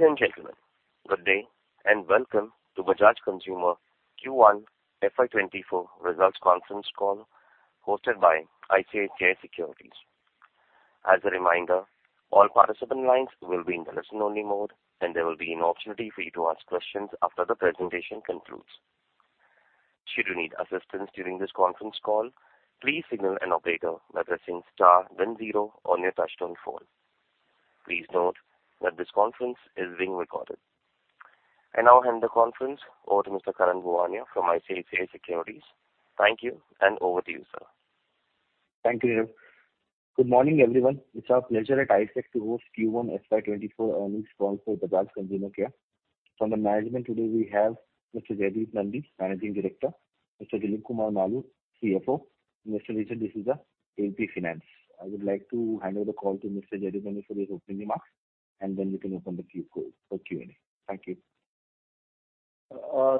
Ladies and gentlemen, good day, and welcome to Bajaj Consumer Q1 FY 2024 Results Conference Call, hosted by ICICI Securities. As a reminder, all participant lines will be in the listen-only mode, and there will be an opportunity for you to ask questions after the presentation concludes. Should you need assistance during this conference call, please signal an operator by pressing star then 0 on your touchtone phone. Please note that this conference is being recorded. I now hand the conference over to Mr. Karan Bhuwania from ICICI Securities. Thank you, and over to you, sir. Thank you. Good morning, everyone. It's our pleasure at ICICI to host Q1 FY 2024 earnings call for Bajaj Consumer Care. From the management today, we have Mr. Jaideep Nandi, Managing Director, Mr. Dilip Kumar Maloo, CFO, and Mr. Richard D'Souza, AVP, Finance. I would like to hand over the call to Mr. Jaideep Nandi for his opening remarks, and then we can open the queue for Q&A. Thank you.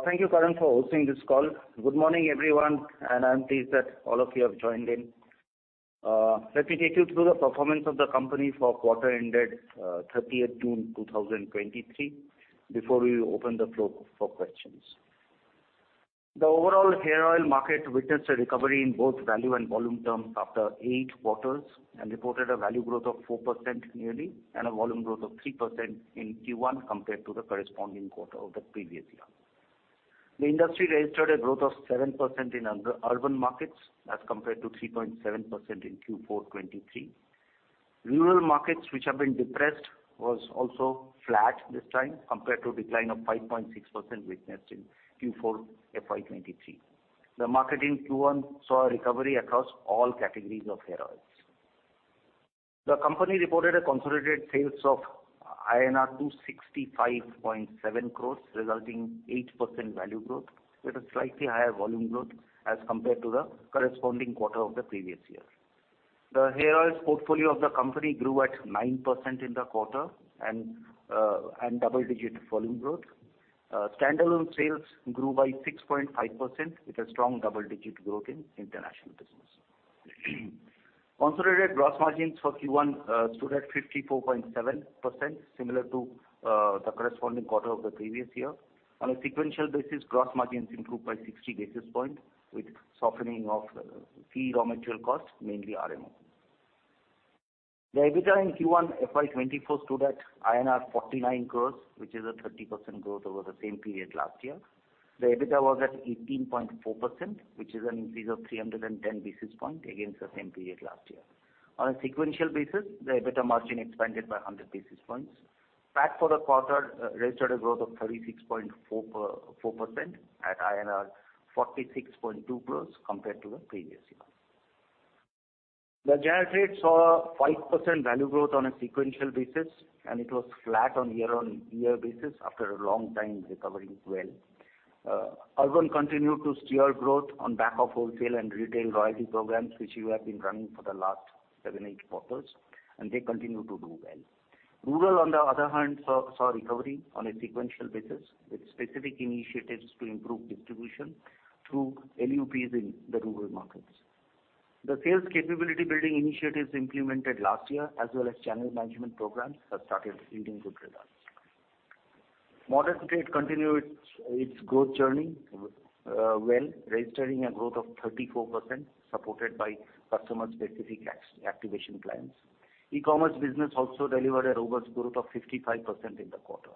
Thank you, Karan, for hosting this call. Good morning, everyone. I'm pleased that all of you have joined in. Let me take you through the performance of the company for quarter ended 30th June 2023, before we open the floor for questions. The overall hair oil market witnessed a recovery in both value and volume terms after 8 quarters, and reported a value growth of 4% nearly, and a volume growth of 3% in Q1, compared to the corresponding quarter of the previous year. The industry registered a growth of 7% in urban markets, as compared to 3.7% in Q4 2023. Rural markets, which have been depressed, was also flat this time, compared to decline of 5.6% witnessed in Q4 FY 2023. The market in Q1 saw a recovery across all categories of hair oils. The company reported a consolidated sales of INR 265.7 crores, resulting 8% value growth, with a slightly higher volume growth as compared to the corresponding quarter of the previous year. The hair oils portfolio of the company grew at 9% in the quarter and double-digit volume growth. Standalone sales grew by 6.5%, with a strong double-digit growth in international business. Consolidated gross margins for Q1 stood at 54.7%, similar to the corresponding quarter of the previous year. On a sequential basis, gross margins improved by 60 basis points, with softening of key raw material costs, mainly RMO. The EBITDA in Q1 FY 2024 stood at INR 49 crores, which is a 30% growth over the same period last year. The EBITDA was at 18.4%, which is an increase of 310 basis points against the same period last year. On a sequential basis, the EBITDA margin expanded by 100 basis points. PAT for the quarter registered a growth of 36.4% at INR 46.2 crores compared to the previous year. The general trade saw a 5% value growth on a sequential basis. It was flat on year-on-year basis after a long time recovering well. Urban continued to steer growth on back of wholesale and retail loyalty programs, which we have been running for the last seven, eight quarters. They continue to do well. Rural, on the other hand, saw recovery on a sequential basis, with specific initiatives to improve distribution through LUPs in the rural markets. The sales capability building initiatives implemented last year, as well as channel management programs, have started yielding good results. Modern trade continued its growth journey, well, registering a growth of 34%, supported by customer-specific activation plans. E-commerce business also delivered a robust growth of 55% in the quarter.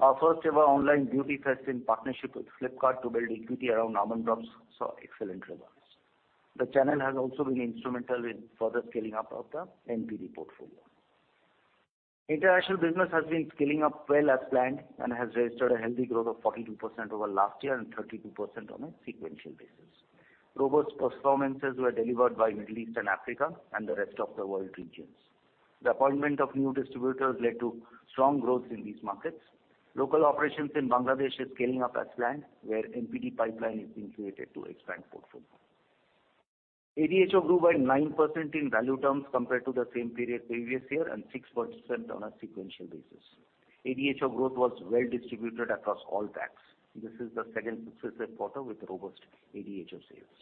Our first-ever online beauty fest in partnership with Flipkart to build equity around Almond Drops saw excellent results. The channel has also been instrumental in further scaling up of the NPD portfolio. International business has been scaling up well as planned and has registered a healthy growth of 42% over last year and 32% on a sequential basis. Robust performances were delivered by Middle East and Africa and the rest of the world regions. The appointment of new distributors led to strong growth in these markets. Local operations in Bangladesh is scaling up as planned, where NPD pipeline is being created to expand portfolio. ADHO grew by 9% in value terms, compared to the same period previous year, and 6% on a sequential basis. ADHO growth was well distributed across all packs. This is the second successive quarter with robust ADHO sales.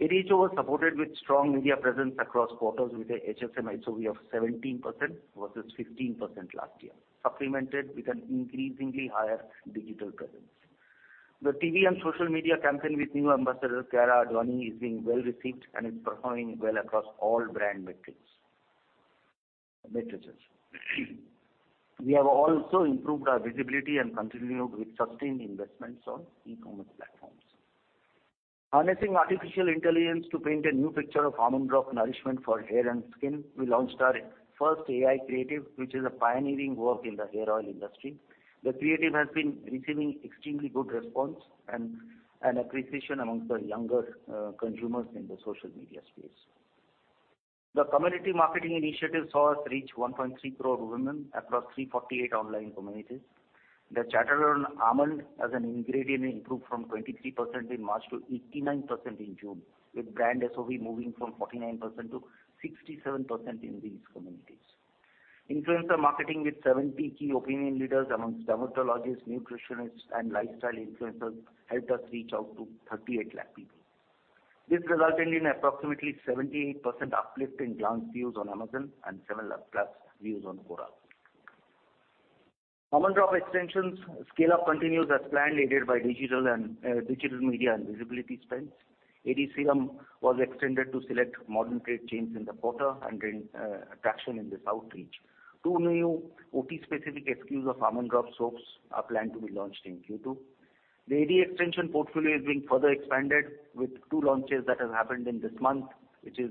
ADHO was supported with strong media presence across quarters, with a HSMI so we have 17% versus 15% last year, supplemented with an increasingly higher digital presence. The TV and social media campaign with new ambassador, Kiara Advani, is being well received and is performing well across all brand metrics, matrices. We have also improved our visibility and continued with sustained investments on e-commerce platforms. Harnessing artificial intelligence to paint a new picture of Almond Drops nourishment for hair and skin, we launched our first AI creative, which is a pioneering work in the hair oil industry. The creative has been receiving extremely good response and appreciation amongst the younger consumers in the social media space. The community marketing initiative saw us reach 1.3 crore women across 348 online communities. The chatter on almond as an ingredient improved from 23% in March to 89% in June, with brand SOV moving from 49 to 67% in these communities. Influencer marketing with 70 key opinion leaders amongst dermatologists, nutritionists, and lifestyle influencers helped us reach out to 38 lakh people.... This resulted in approximately 78% uplift in glance views on Amazon and 7+ views on Quora. Almond Drops extensions scale up continues as planned, aided by digital and digital media and visibility spends. AD Serum was extended to select modern trade chains in the quarter and gain traction in this outreach. Two new OT-specific SKUs of Almond Drops soaps are planned to be launched in Q2. The AD extension portfolio is being further expanded with two launches that have happened in this month, which is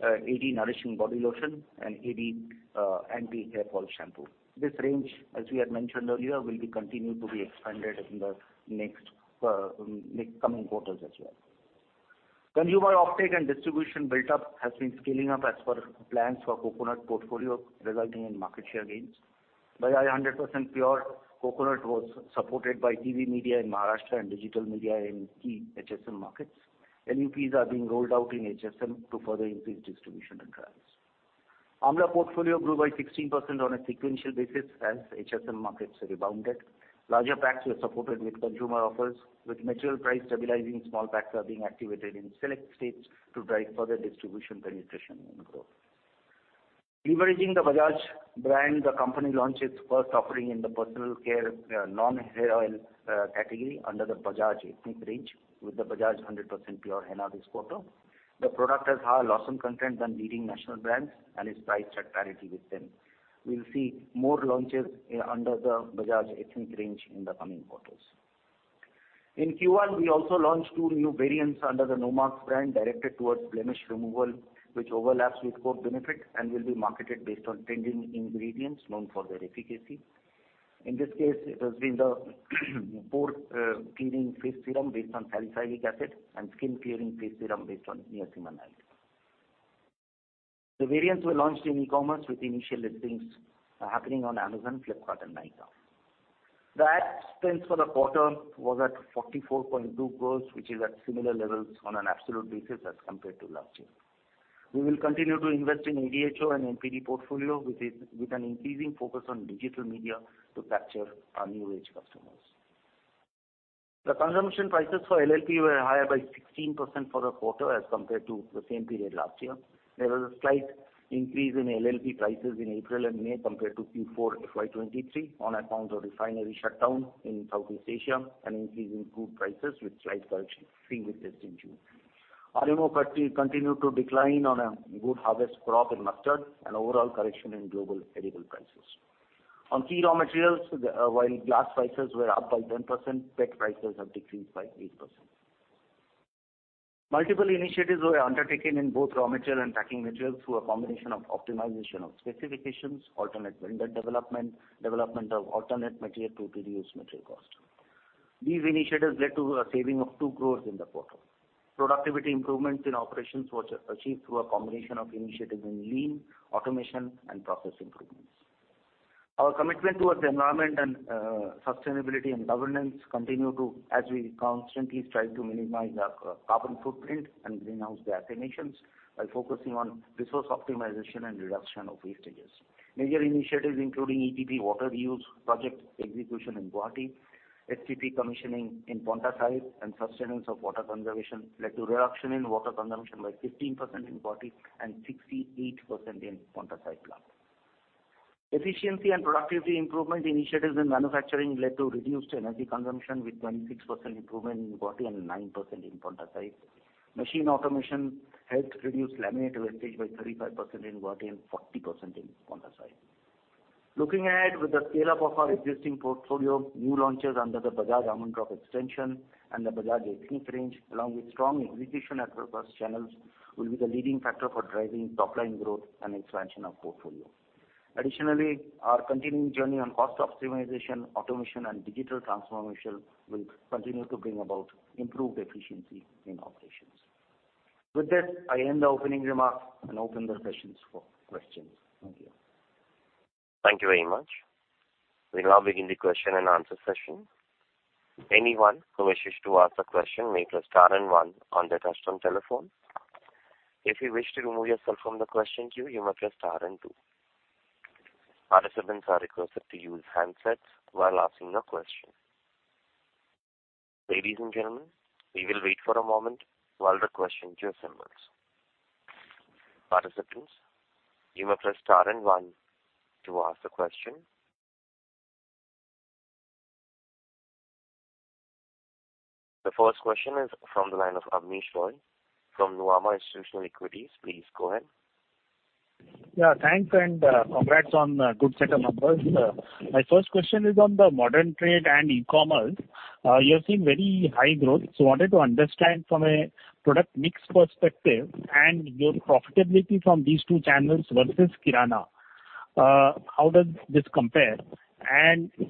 AD Nourishing Body Lotion and AD Anti-Hair Fall Shampoo. This range, as we had mentioned earlier, will be continued to be expanded in the next next coming quarters as well. Consumer uptake and distribution buildup has been scaling up as per plans for coconut portfolio, resulting in market share gains. Bajaj 100% Pure, coconut was supported by TV media in Maharashtra and digital media in key HSM markets. NUPs are being rolled out in HSM to further increase distribution and trials. Amla portfolio grew by 16% on a sequential basis as HSM markets rebounded. Larger packs were supported with consumer offers, with material price stabilizing, small packs are being activated in select states to drive further distribution, penetration, and growth. Leveraging the Bajaj brand, the company launched its first offering in the personal care, non-hair oil, category under the Bajaj Ethnic range, with the Bajaj 100% Pure Henna this quarter. The product has higher lawsone content than leading national brands and is priced at parity with them. We'll see more launches under the Bajaj Ethnic range in the coming quarters. In Q1, we also launched 2 new variants under the Nomarks brand, directed towards blemish removal, which overlaps with core benefits and will be marketed based on trending ingredients known for their efficacy. In this case, it has been the pore clearing face serum based on salicylic acid and skin-clearing face serum based on niacinamide. The variants were launched in e-commerce, with initial listings happening on Amazon, Flipkart, and Nykaa. The ad spends for the quarter was at 44.2 crore, which is at similar levels on an absolute basis as compared to last year. We will continue to invest in ADHO and NPD portfolio, with an increasing focus on digital media to capture our new-age customers. The consumption prices for LLP were higher by 16% for the quarter as compared to the same period last year. There was a slight increase in LLP prices in April and May, compared to Q4 FY 2023, on account of refinery shutdown in Southeast Asia and increase in crude prices, with slight correction seen with this in June. RMO fatty continued to decline on a good harvest crop in mustard and overall correction in global edible prices. On key raw materials, the While glass prices were up by 10%, pet prices have decreased by 8%. Multiple initiatives were undertaken in both raw material and packing materials through a combination of optimization of specifications, alternate vendor development, development of alternate material to reduce material cost. These initiatives led to a saving of 2 crore in the quarter. Productivity improvements in operations was achieved through a combination of initiatives in lean, automation, and process improvements. Our commitment towards environment and sustainability and governance continue to, as we constantly strive to minimize our carbon footprint and greenhouse gas emissions by focusing on resource optimization and reduction of wastages. Major initiatives, including ETP water reuse, project execution in Bhatti, STP commissioning in Paonta Sahib, and sustenance of water conservation, led to reduction in water consumption by 15% in Bhatti and 68% in Paonta Sahib plant. Efficiency and productivity improvement initiatives in manufacturing led to reduced energy consumption, with 26% improvement in Bhatti and 9% in Paonta Sahib. Machine automation helped reduce laminate wastage by 35% in Bhatti and 40% in Paonta Sahib. Looking ahead, with the scale-up of our existing portfolio, new launches under the Bajaj Almond Drops extension and the Bajaj Ethnx range, along with strong execution at reverse channels, will be the leading factor for driving top-line growth and expansion of portfolio. Additionally, our continuing journey on cost optimization, automation, and digital transformation will continue to bring about improved efficiency in operations. With this, I end the opening remarks and open the sessions for questions. Thank you. Thank you very much. We now begin the question-and-answer session. Anyone who wishes to ask a question may press star and 1 on their touchtone telephone. If you wish to remove yourself from the question queue, you may press star and 2. Participants are requested to use handsets while asking a question. Ladies and gentlemen, we will wait for a moment while the question queue assembles. Participants, you may press star and 1 to ask a question. The first question is from the line of Abneesh Roy from Nuvama Institutional Equities. Please go ahead. Yeah, thanks, and congrats on a good set of numbers. My first question is on the modern trade and e-commerce. You have seen very high growth, so wanted to understand from a product mix perspective and your profitability from these two channels versus Kirana, how does this compare?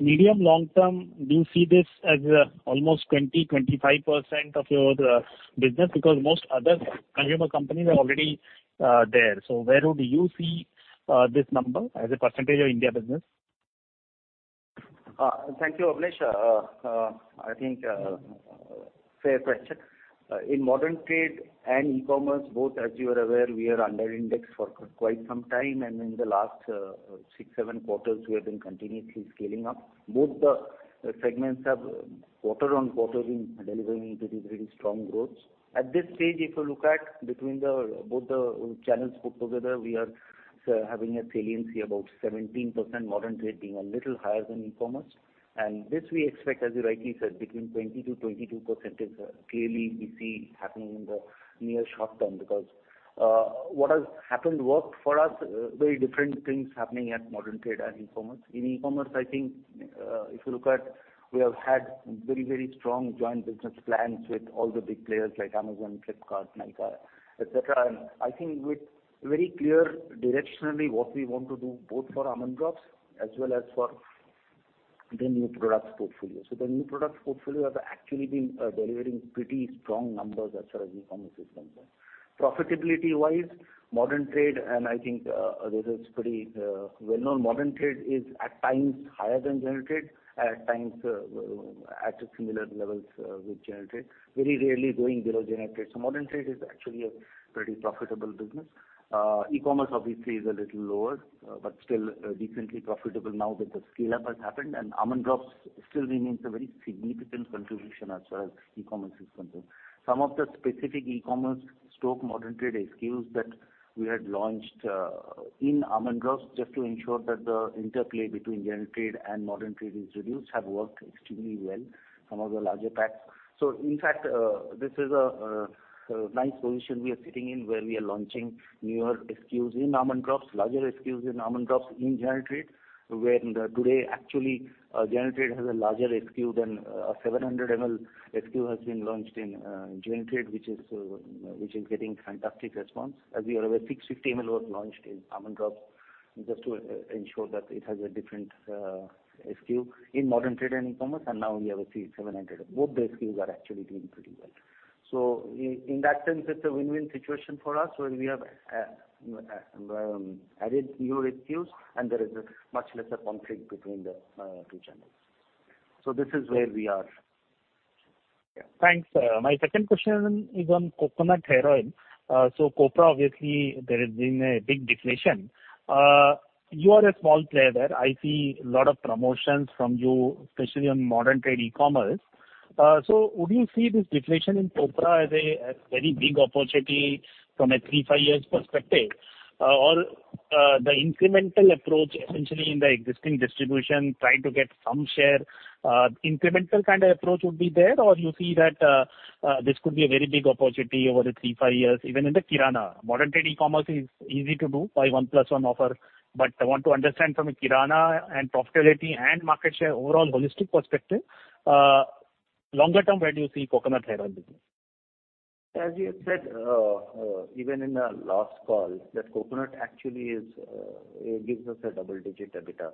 Medium long term, do you see this as almost 20 to 25% of your business? Because most other consumer companies are already there. Where would you see this number as a percentage of India business? Thank you, Avnish. I think, fair question. In modern trade and e-commerce, both, as you are aware, we are under index for quite some time, and in the last, six, seven quarters, we have been continuously scaling up. Both the segments have. Quarter-on-quarter, we've been delivering really, really strong growths. At this stage, if you look at between the, both the channels put together, we are having a saliency about 17%, modern trade being a little higher than e-commerce. This we expect, as you rightly said, between 20 to 22% is clearly we see happening in the near short term. What has happened worked for us, very different things happening at modern trade and e-commerce. In E-commerce, I think, if you look at, we have had very, very strong joint business plans with all the big players like Amazon, Flipkart, Nykaa, et cetera. I think with very clear directionally what we want to do, both for Almond Drops as well as for the new products portfolio. The new products portfolio have actually been delivering pretty strong numbers as far as e-commerce is concerned. Profitability-wise, modern trade, I think, this is pretty well-known, modern trade is at times higher than general trade, at times, at similar levels, with general trade. Very rarely going below general trade. Modern trade is actually a pretty profitable business. E-commerce obviously is a little lower, but still decently profitable now that the scale-up has happened. Almond Drops still remains a very significant contribution as far as e-commerce is concerned. Some of the specific e-commerce stock modern trade SKUs that we had launched in Almond Drops, just to ensure that the interplay between general trade and modern trade is reduced, have worked extremely well, some of the larger packs. In fact, this is a nice position we are sitting in, where we are launching newer SKUs in Almond Drops, larger SKUs in Almond Drops in general trade, where today, actually, general trade has a larger SKU than 700 ml SKU has been launched in general trade, which is getting fantastic response. As we are aware, 650 ml was launched in Almond Drops just to ensure that it has a different SKU in modern trade and e-commerce, and now we have a 700. Both the SKUs are actually doing pretty well. In that sense, it's a win-win situation for us, where we have added new SKUs, and there is a much lesser conflict between the two channels. This is where we are. Thanks. My second question is on Coconut Hair Oil. copra, obviously, there has been a big deflation. You are a small player there. I see a lot of promotions from you, especially on modern trade, e-commerce. Would you see this deflation in copra as a very big opportunity from a 3-5 years perspective? The incremental approach, essentially in the existing distribution, trying to get some share, incremental kind of approach would be there, or you see that this could be a very big opportunity over the 3-5 years, even in the kirana. Modern trade, e-commerce is easy to do by one plus one offer, I want to understand from a kirana and profitability and market share, overall holistic perspective, longer term, where do you see Coconut Hair Oil business? As we have said, even in the last call, that Coconut actually is, it gives us a double-digit EBITDA.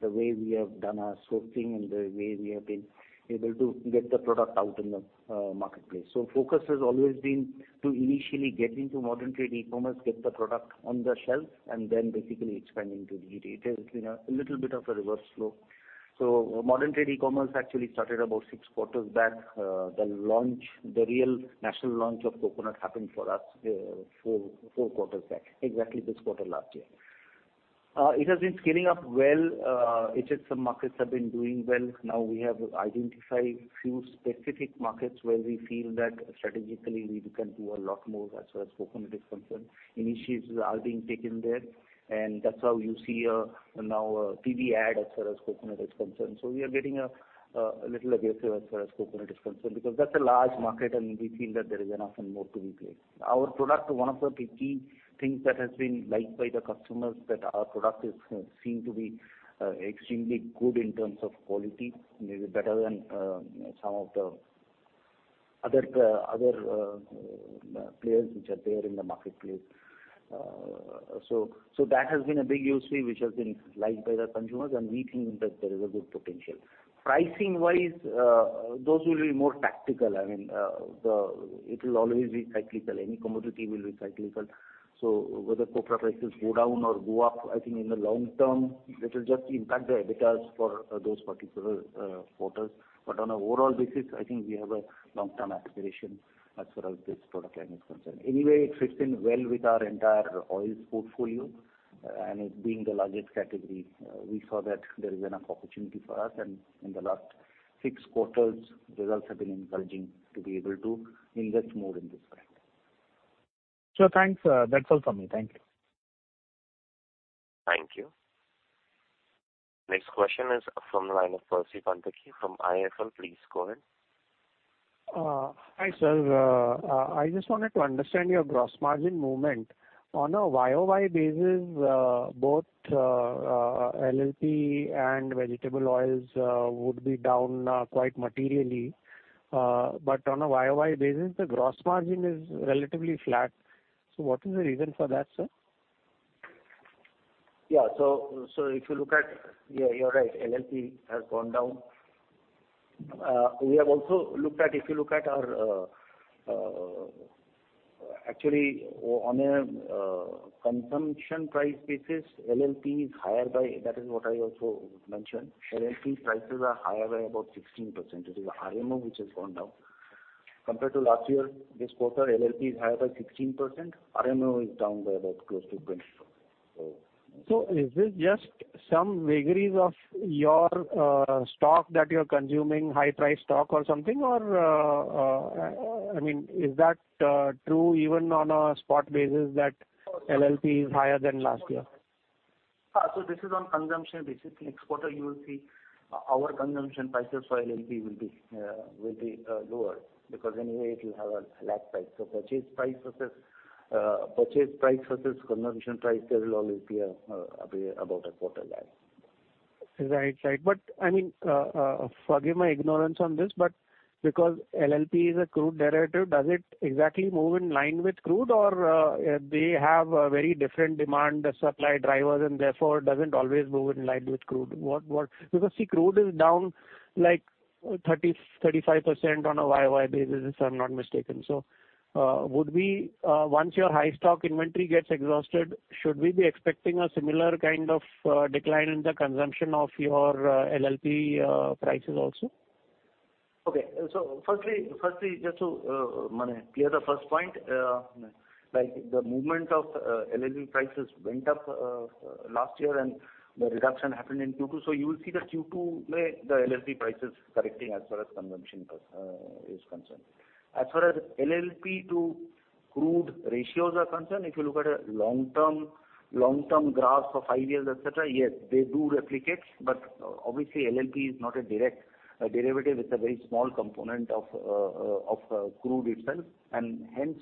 The way we have done our sourcing and the way we have been able to get the product out in the marketplace. Focus has always been to initially get into modern trade, e-commerce, get the product on the shelf, and then basically expanding to D2D. It is, you know, a little bit of a reverse flow. Modern trade, e-commerce actually started about 6 quarters back. The launch, the real national launch of Coconut happened for us, 4 quarters back, exactly this quarter last year. It has been scaling up well, it is some markets have been doing well. Now we have identified few specific markets where we feel that strategically we can do a lot more as far as Coconut is concerned. Initiatives are being taken there. That's how you see now TV ad as far as Coconut is concerned. We are getting a little aggressive as far as Coconut is concerned, because that's a large market, and we feel that there is enough and more to be placed. Our product, one of the key things that has been liked by the customers, that our product is seen to be extremely good in terms of quality, maybe better than some of the other, other players which are there in the marketplace. That has been a big USP, which has been liked by the consumers, and we think that there is a good potential. Pricing-wise, those will be more tactical. I mean, it will always be cyclical. Any commodity will be cyclical. Whether copra prices go down or go up, I think in the long term, it will just impact the EBITDAs for those particular quarters. On an overall basis, I think we have a long-term aspiration as far as this product line is concerned. Anyway, it fits in well with our entire oils portfolio, and it being the largest category, we saw that there is enough opportunity for us. In the last six quarters, results have been encouraging to be able to invest more in this brand. Sure, thanks. That's all for me. Thank you. Thank you. Next question is from the line of Percy Panthaki from IIFL. Please go ahead. Hi, sir. I just wanted to understand your gross margin movement. On a year-over-year basis, both LLP and vegetable oils would be down quite materially. But on a year-over-year basis, the gross margin is relatively flat. What is the reason for that, sir? Yeah, you're right, LLP has gone down. We have also looked at, actually, on a consumption price basis, LLP is higher by, that is what I also mentioned. LLP prices are higher by about 16%. It is RMO which has gone down. Compared to last year, this quarter LLP is higher by 16%, RMO is down by about close to 24. Is this just some vagaries of your stock that you're consuming high price stock or something? Or, I mean, is that true even on a spot basis that LLP is higher than last year? This is on consumption basis. In exporter, you will see our consumption prices for LLP will be lower, because anyway it will have a lag price. Purchase price versus purchase price versus consumption price, there will always be about a quarter lag. Right. Right. I mean, forgive my ignorance on this, but because LLP is a crude derivative, does it exactly move in line with crude? They have a very different demand, the supply drivers, and therefore, it doesn't always move in line with crude. Because, see, crude is down, like, 30 to 35% on a year-over-year basis, if I'm not mistaken. Would we, once your high stock inventory gets exhausted, should we be expecting a similar kind of decline in the consumption of your LLP prices also? Okay. Firstly, firstly, just to clear the first point, like, the movement of LLP prices went up last year, and the reduction happened in Q2. You will see that Q2, the LLP price is correcting as far as consumption is concerned. As far as LLP to crude ratios are concerned, if you look at a long-term, long-term graphs of five years, et cetera, yes, they do replicate, but obviously, LLP is not a direct derivative. It's a very small component of crude itself. Hence,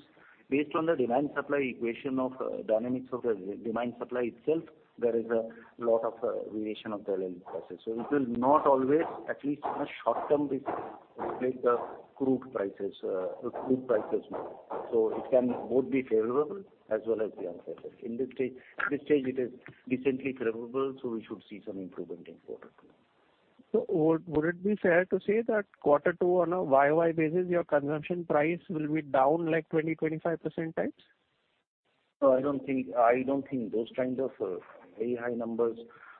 based on the demand-supply equation of dynamics of the demand supply itself, there is a lot of variation of the LLP prices. It will not always, at least in the short term, reflect the crude prices, crude prices more. It can both be favorable as well as the unfavorable. In this stage, this stage it is decently favorable, so we should see some improvement in quarter two. would, would it be fair to say that quarter two on a year-over-year basis, your consumption price will be down, like, 20 to 25% times? No, I don't think, I don't think those kind of very high numbers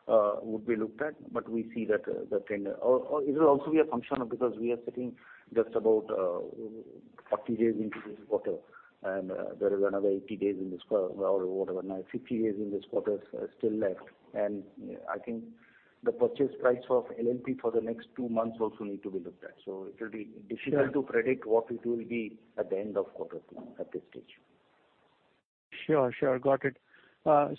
would be looked at. We see that the trend... It will also be a function, because we are sitting just about 40 days into this quarter, and there is another 80 days in this quarter, or whatever, now 50 days in this quarter still left. I think the purchase price for LLP for the next 2 months also need to be looked at. It will be difficult to predict what it will be at the end of quarter at this stage. Sure, sure. Got it.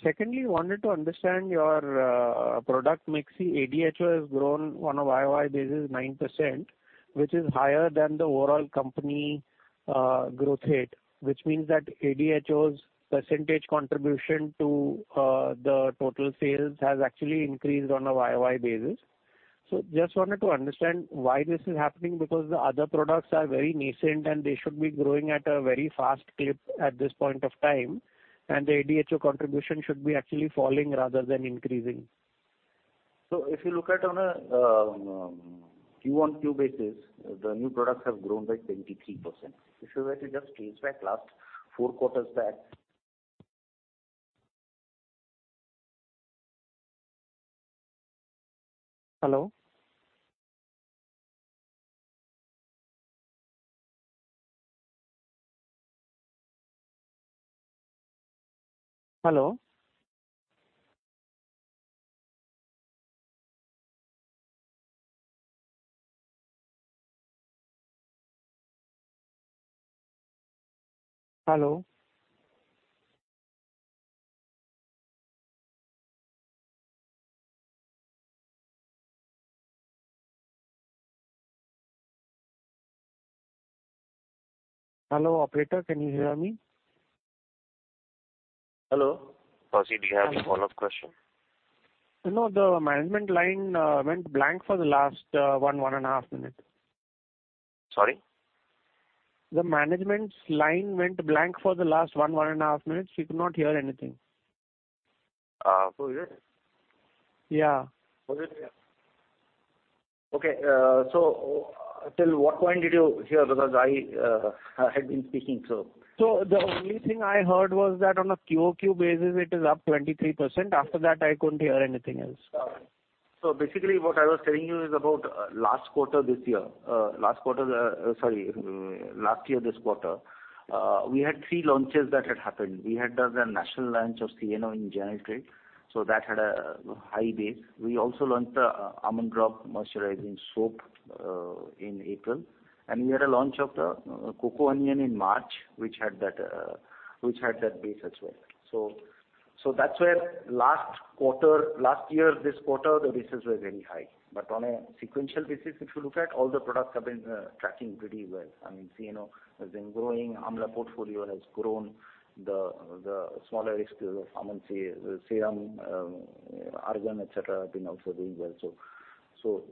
Secondly, wanted to understand your product mix. ADHO has grown on a YOY basis, 9%, which is higher than the overall company growth rate, which means that ADHO's percentage contribution to the total sales has actually increased on a YOY basis. Just wanted to understand why this is happening, because the other products are very nascent, and they should be growing at a very fast clip at this point of time, and the ADHO contribution should be actually falling rather than increasing. If you look at on a Q-on-Q basis, the new products have grown by 23%. If you were to just trace back last 4 quarters. Hello? Hello? Hello. Hello, operator, can you hear me? Hello. Pasi, do you have a follow-up question? No, the management line, went blank for the last, one, one and a half minute. Sorry? The management's line went blank for the last 1, 1.5 minutes. We could not hear anything. Ah, so it is? Yeah. Okay, till what point did you hear? I had been speaking, so. The only thing I heard was that on a QOQ basis, it is up 23%. After that, I couldn't hear anything else. Basically, what I was telling you is about last quarter, this year. Last quarter, sorry, last year, this quarter, we had three launches that had happened. We had done the national launch of CNO in January, that had a high base. We also launched the Almond Drops Moisturising Soap in April, and we had a launch of the Coco Onion in March, which had that, which had that base as well. That's where last quarter, last year, this quarter, the bases were very high. On a sequential basis, if you look at, all the products have been tracking pretty well. I mean, CNO has been growing, Amla portfolio has grown, the smaller SKUs of Almond Serum, Argan, et cetera, have been also doing well.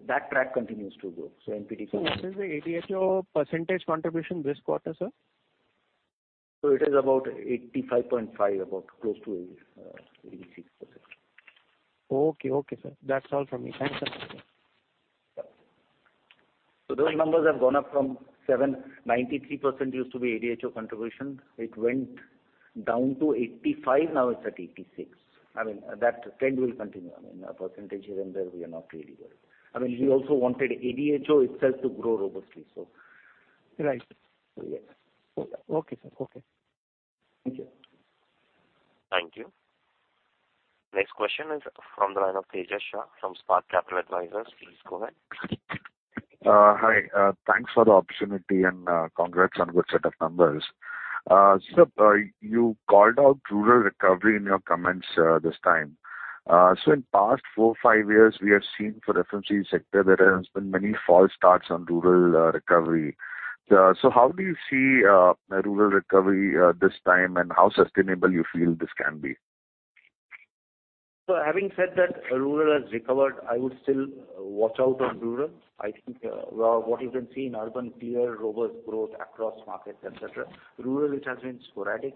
That track continues to grow. NPT- What is the ADHO percent contribution this quarter, sir? It is about 85.5, about close to 86%. Okay. Okay, sir. That's all from me. Thanks, sir. Those numbers have gone up. 93% used to be ADHO contribution. It went down to 85, now it's at 86. I mean, that trend will continue. I mean, a percentage here and there, we are not really worried. I mean, we also wanted ADHO itself to grow robustly. Right. Yeah. Okay, sir. Okay. Thank you. Thank you. Next question is from the line of Tejas Shah from Spark Capital Advisors. Please go ahead. Hi, thanks for the opportunity, and congrats on good set of numbers. You called out rural recovery in your comments this time. In past 4, 5 years, we have seen for FMCG sector, there has been many false starts on rural recovery. How do you see the rural recovery this time? How sustainable you feel this can be? Having said that, rural has recovered, I would still watch out on rural. I think, what you can see in urban, clear, robust growth across markets, et cetera. Rural, it has been sporadic.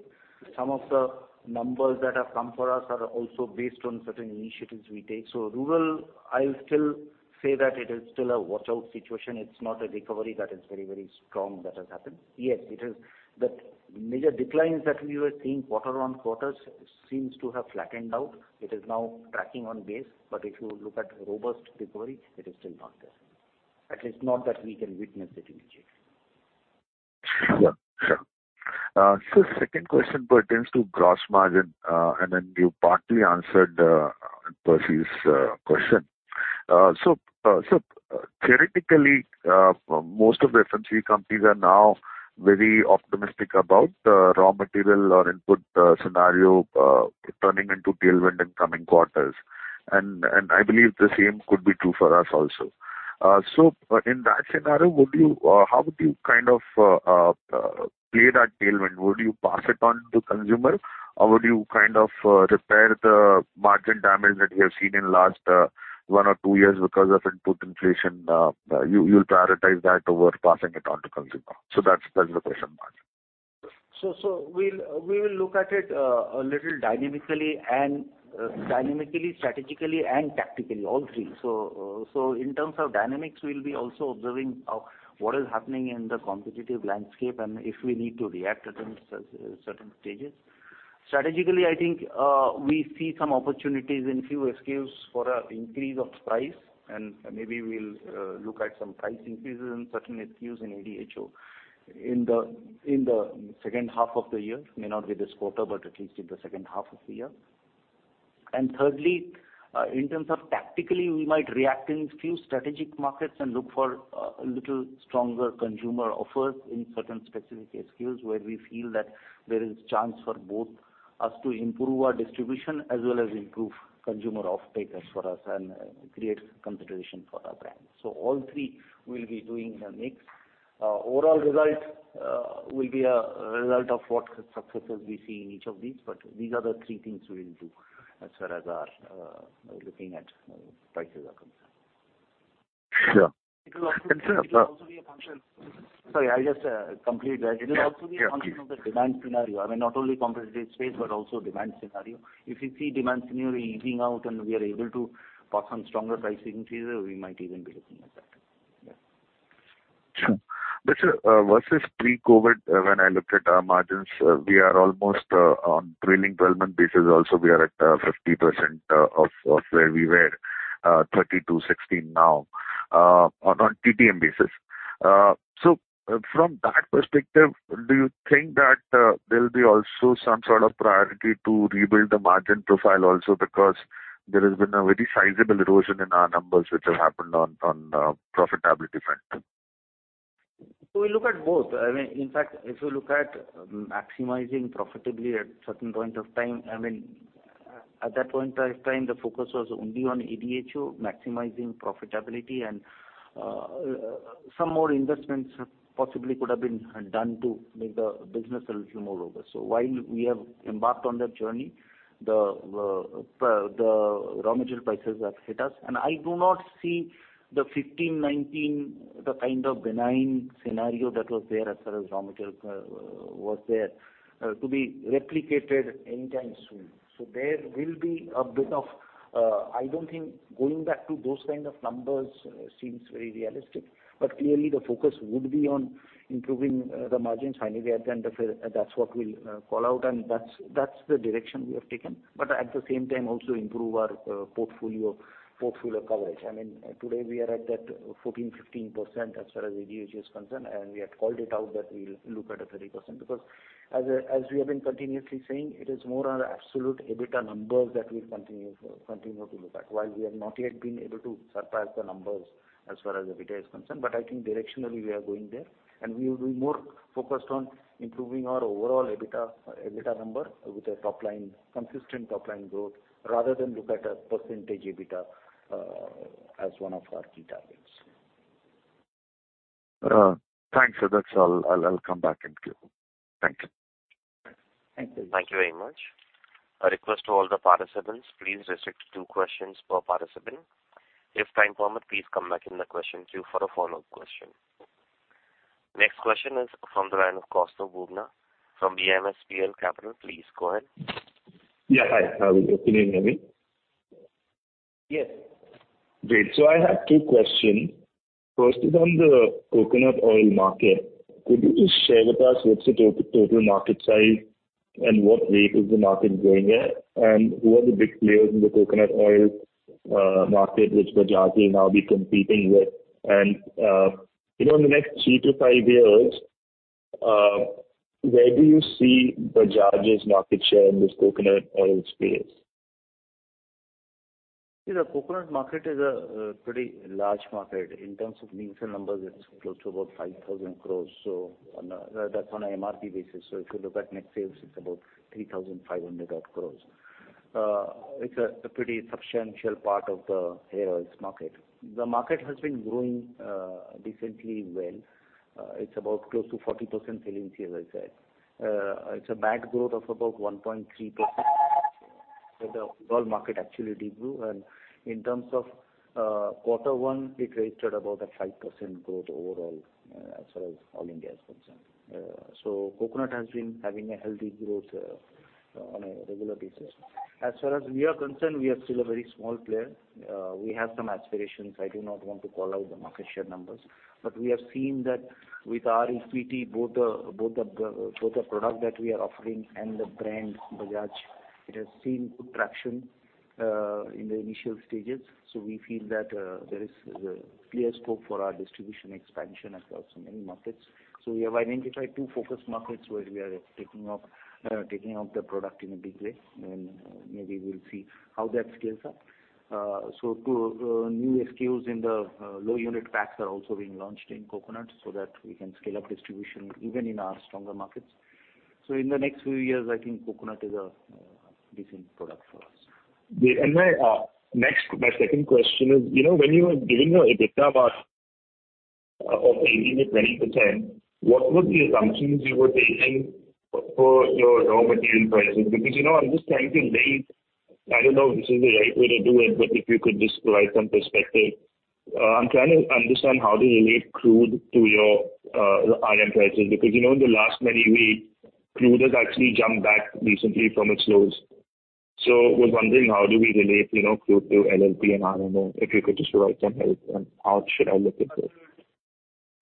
Some of the numbers that have come for us are also based on certain initiatives we take. Rural, I'll still say that it is still a watch-out situation. It's not a recovery that is very, very strong that has happened. Yes, it is. The major declines that we were seeing quarter-on-quarters seems to have flattened out. It is now tracking on base, but if you look at robust recovery, it is still not there. At least not that we can witness it immediately. Sure, sure. Second question pertains to gross margin, and then you partly answered Percy's question. Theoretically, most of the FMCG companies are now very optimistic about raw material or input scenario turning into tailwind in coming quarters. I believe the same could be true for us also. In that scenario, would you, how would you kind of, play that tailwind? Would you pass it on to consumer, or would you kind of, repair the margin damage that we have seen in last 1 or 2 years because of input inflation? You, you'll prioritize that over passing it on to consumer. That's, that's the question mark. We will look at it a little dynamically and dynamically, strategically and tactically, all three. In terms of dynamics, we'll be also observing what is happening in the competitive landscape and if we need to react at certain, certain stages. Strategically, I think, we see some opportunities in few SKUs for a increase of price, and maybe we'll look at some price increases in certain SKUs in ADHO. In the, in the second half of the year. May not be this quarter, but at least in the second half of the year. Thirdly, in terms of tactically, we might react in few strategic markets and look for a little stronger consumer offers in certain specific SKUs, where we feel that there is chance for both us to improve our distribution as well as improve consumer off-take as for us and create consideration for our brand. All three will be doing a mix. Overall result will be a result of what successes we see in each of these, but these are the three things we will do as far as looking at prices are concerned. Sure. It will also be a. Sorry, I'll just complete that. Yeah, yeah. It will also be a function of the demand scenario. I mean, not only competitive space, but also demand scenario. If you see demand scenario evening out, and we are able to pass on stronger price increases, we might even be looking at that. Yeah. Sure. Versus pre-COVID, when I looked at our margins, we are almost on trailing twelve-month basis also, we are at 50% of where we were 32.16% now on TTM basis. From that perspective, do you think that there'll be also some sort of priority to rebuild the margin profile also? Because there has been a very sizable erosion in our numbers, which have happened on profitability front. We look at both. I mean, in fact, if you look at maximizing profitability at certain point of time, I mean, at that point of time, the focus was only on ADHO, maximizing profitability, and some more investments possibly could have been done to make the business a little more robust. While we have embarked on that journey, the raw material prices have hit us. I do not see the 2015, 2019, the kind of benign scenario that was there as far as raw material was there to be replicated anytime soon. There will be a bit of... I don't think going back to those kind of numbers seems very realistic. Clearly, the focus would be on improving the margins anyway, and that's what we'll call out, and that's, that's the direction we have taken. At the same time, also improve our portfolio coverage. I mean, today we are at that 14 to 15% as far as ADHO is concerned, and we have called it out that we'll look at a 30%. As, as we have been continuously saying, it is more on absolute EBITDA numbers that we continue to look at, while we have not yet been able to surpass the numbers as far as EBITDA is concerned. I think directionally, we are going there, and we will be more focused on improving our overall EBITDA number with a top line, consistent top-line growth, rather than look at a percentage EBITDA as one of our key targets. Thanks, that's all. I'll, I'll come back and give. Thank you. Thank you. Thank you very much. A request to all the participants, please restrict 2 questions per participant. If time permit, please come back in the question queue for a follow-up question. Next question is from the line of Kaustubh Pawaskar from BMSPL Capital. Please go ahead. Yeah, hi. Good evening, everyone.... Yes. Great, I have 2 questions. First is on the coconut oil market. Could you just share with us what's the total, total market size, and what rate is the market growing at? Who are the big players in the coconut oil market, which Bajaj will now be competing with? You know, in the next 3-5 years, where do you see Bajaj's market share in this coconut oil space? The coconut market is a pretty large market. In terms of Nielsen numbers, it's close to about 5,000 crore. That's on a MRP basis, so if you look at net sales, it's about 3,500 crore. It's a pretty substantial part of the hair oils market. The market has been growing decently well. It's about close to 40% sales, as I said. It's a bag growth of about 1.3%. The overall market actually de-grew, and in terms of Q1, it registered about a 5% growth overall, as far as All India is concerned. Coconut has been having a healthy growth on a regular basis. As far as we are concerned, we are still a very small player. We have some aspirations. I do not want to call out the market share numbers, but we have seen that with our equity, both the product that we are offering and the brand Bajaj, it has seen good traction in the initial stages. We feel that there is clear scope for our distribution expansion across many markets. We have identified two focus markets where we are taking off the product in a big way, and maybe we'll see how that scales up. Two new SKUs in the low unit packs are also being launched in coconut so that we can scale up distribution even in our stronger markets. In the next few years, I think coconut is a decent product for us. Great. My next, my second question is, you know, when you were giving your EBITDA about of 18 to 20%, what were the assumptions you were taking for your raw material prices? Because, you know, I'm just trying to relate... I don't know if this is the right way to do it, but if you could just provide some perspective. I'm trying to understand how to relate crude to your iron prices, because, you know, in the last many weeks, crude has actually jumped back recently from its lows. I was wondering, how do we relate, you know, crude to LLP and RMO, if you could just provide some help on how should I look at this?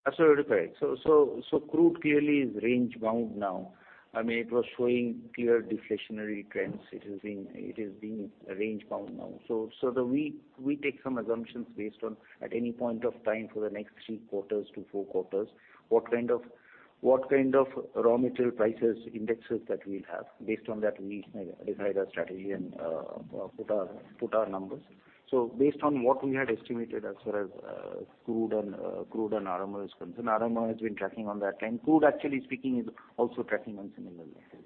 Absolutely right. Crude clearly is range-bound now. I mean, it was showing clear deflationary trends. It is being, it is being range-bound now. The we, we take some assumptions based on, at any point of time for the next three quarters to four quarters, what kind of, what kind of raw material prices, indexes that we'll have. Based on that, we decide our strategy and put our, put our numbers. Based on what we had estimated as far as crude and crude and RMO is concerned, RMO has been tracking on that line. Crude, actually speaking, is also tracking on similar lines.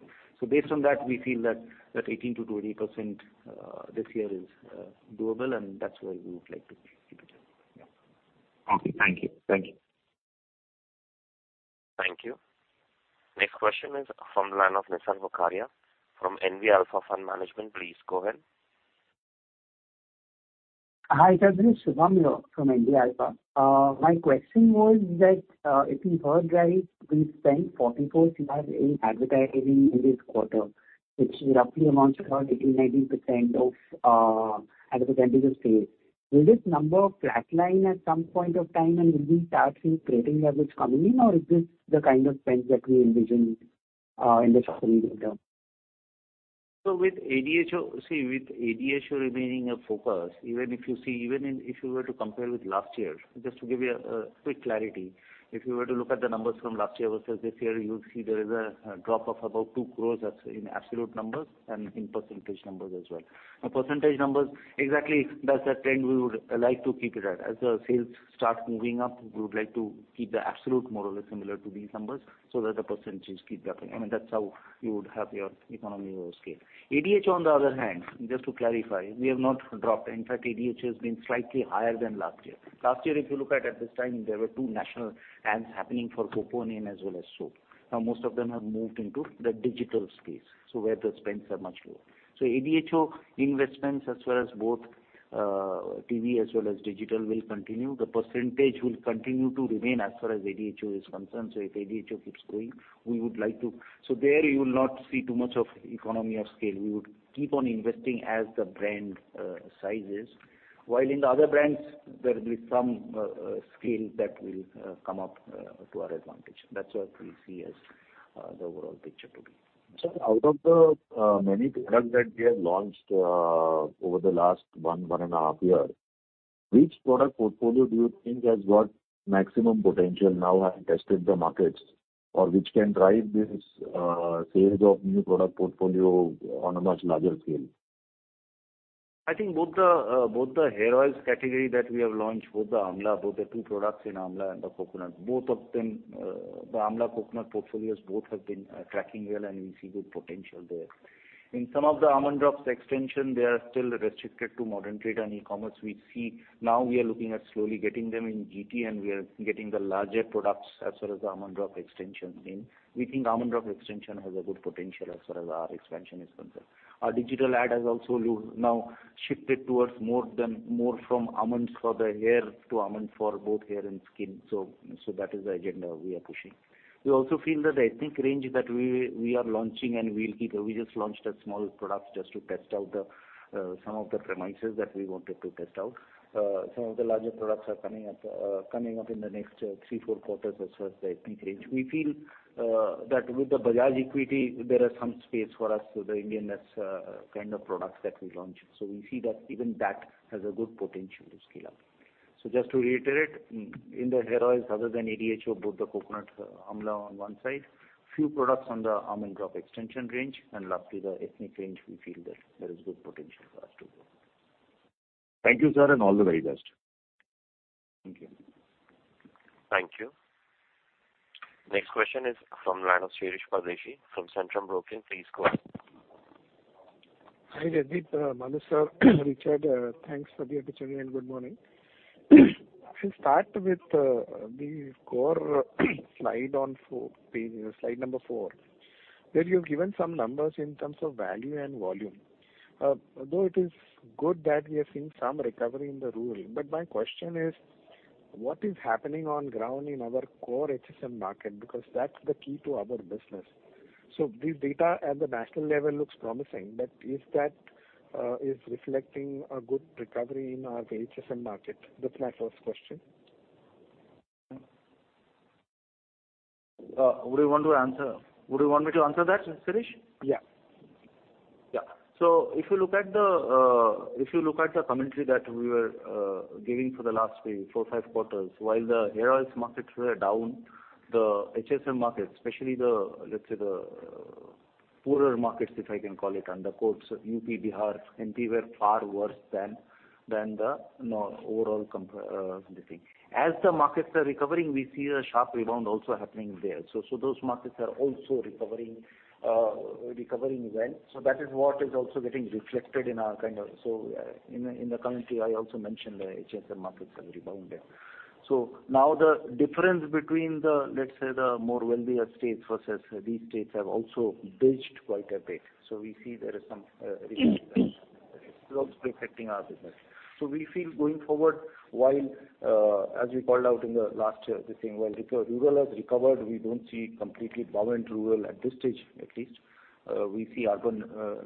Based on that, we feel that, that 18 to 20% this year is doable, and that's where we would like to keep it at. Yeah. Okay. Thank you. Thank you. Thank you. Next question is from the line of Nishant Bokaria from NV Alpha Fund Management. Please go ahead. Hi, this is Shubham here from NV Alpha. My question was that, if you heard right, we spent 44 crore in advertising in this quarter, which roughly amounts to about 80 to 90% of, as a percent of sales. Will this number flatline at some point of time, and will we start seeing creating levels coming in, or is this the kind of spend that we envision, in the short and medium term? With ADHO remaining a focus, if you were to compare with last year, just to give you a quick clarity, if you were to look at the numbers from last year versus this year, you'd see there is a drop of about 2 crore as in absolute numbers and in percentage numbers as well. Percentage numbers, exactly, that's the trend we would like to keep it at. As the sales start moving up, we would like to keep the absolute more or less similar to these numbers so that the percentages keep dropping. I mean, that's how you would have your economy of scale. ADHO, on the other hand, just to clarify, we have not dropped. In fact, ADHO has been slightly higher than last year. Last year, if you look at, at this time, there were 2 national ads happening for Coco Onion as well as Soap. Most of them have moved into the digital space, so where the spends are much lower. ADHO investments, as well as both, TV as well as digital, will continue. The percentage will continue to remain as far as ADHO is concerned. If ADHO keeps going, we would like to... There, you will not see too much of economy of scale. We would keep on investing as the brand sizes. While in the other brands, there will be some scale that will come up to our advantage. That's what we see as the overall picture to be. Sir, out of the many products that we have launched over the last one, one and a half year, which product portfolio do you think has got maximum potential now having tested the markets, or which can drive this sales of new product portfolio on a much larger scale? I think both the, both the hair oils category that we have launched, both the Amla, both the two products in Amla and the coconut, both of them, the Amla, coconut portfolios both have been tracking well, and we see good potential there. In some of the Almond Drops extension, they are still restricted to modern trade and e-commerce. We see now we are looking at slowly getting them in GT, and we are getting the larger products as far as the Almond Drops extension in. We think Almond Drops extension has a good potential as far as our expansion is concerned. Our digital ad has also now shifted towards more than, more from almonds for the hair to almond for both hair and skin. That is the agenda we are pushing. We also feel that the ethnic range that we are launching and we'll keep, we just launched a small product just to test out the some of the premises that we wanted to test out. Some of the larger products are coming up, coming up in the next three, four quarters as far as the ethnic range. We feel that with the Bajaj equity, there are some space for us to the Indian-ness kind of products that we launch. We see that even that has a good potential to scale up. Just to reiterate, in the hair oils, other than ADHO, both the coconut amla on one side, few products on the Almond Drops extension range, and lastly, the ethnic range, we feel that there is good potential for us to grow. Thank you, sir, and all the very best. Thank you. Thank you. Next question is from Shirish Pardeshi from Centrum Broking. Please go ahead. Hi, Jaideep, Manu, sir, Richard, thanks for the opportunity. Good morning. I'll start with the core slide on 4 page, slide number 4, where you've given some numbers in terms of value and volume. Though it is good that we have seen some recovery in the rural, my question is, what is happening on ground in our core HSM market? That's the key to our business. This data at the national level looks promising, is that reflecting a good recovery in our HSM market? That's my 1st question. Would you want me to answer that, Shirish? Yeah. Yeah. If you look at the, if you look at the commentary that we were giving for the last 3, 4, 5 quarters, while the hair oils markets were down, the HSM markets, especially the, let's say, the poorer markets, if I can call it, under quotes, UP, Bihar, MP, were far worse than, than the overall compare, this thing. As the markets are recovering, we see a sharp rebound also happening there. Those markets are also recovering, recovering well. That is what is also getting reflected in our kind of... In the, in the commentary, I also mentioned the HSM markets have rebound there. Now the difference between the, let's say, the more wealthier states versus these states have also bridged quite a bit. We see there is some, it's also affecting our business. We feel going forward, while, as we called out in the last year, the same, while rural has recovered, we don't see completely power in rural at this stage, at least. We see urban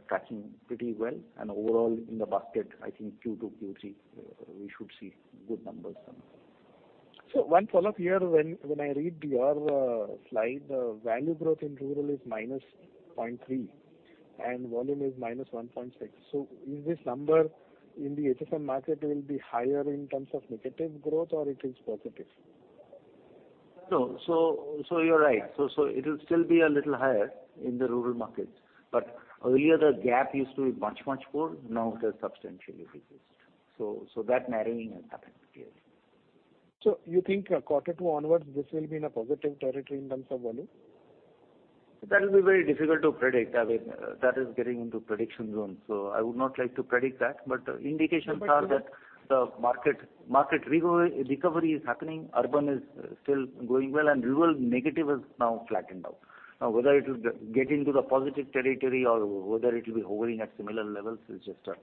catching pretty well, and overall in the basket, I think Q2, Q3, we should see good numbers then. One follow-up here, when, when I read your slide, the value growth in rural is -0.3, and volume is -1.6. Is this number in the HSM market will be higher in terms of negative growth or it is positive? No. You're right. It will still be a little higher in the rural markets, but earlier the gap used to be much, much more. Now it has substantially reduced. That narrowing has happened here. You think Q2 onwards, this will be in a positive territory in terms of volume? That will be very difficult to predict. I mean, that is getting into prediction zone. I would not like to predict that. Indications are- But- that the market, market recovery is happening, urban is still going well. Rural negative has now flattened out. Whether it will get into the positive territory or whether it will be hovering at similar levels is just a,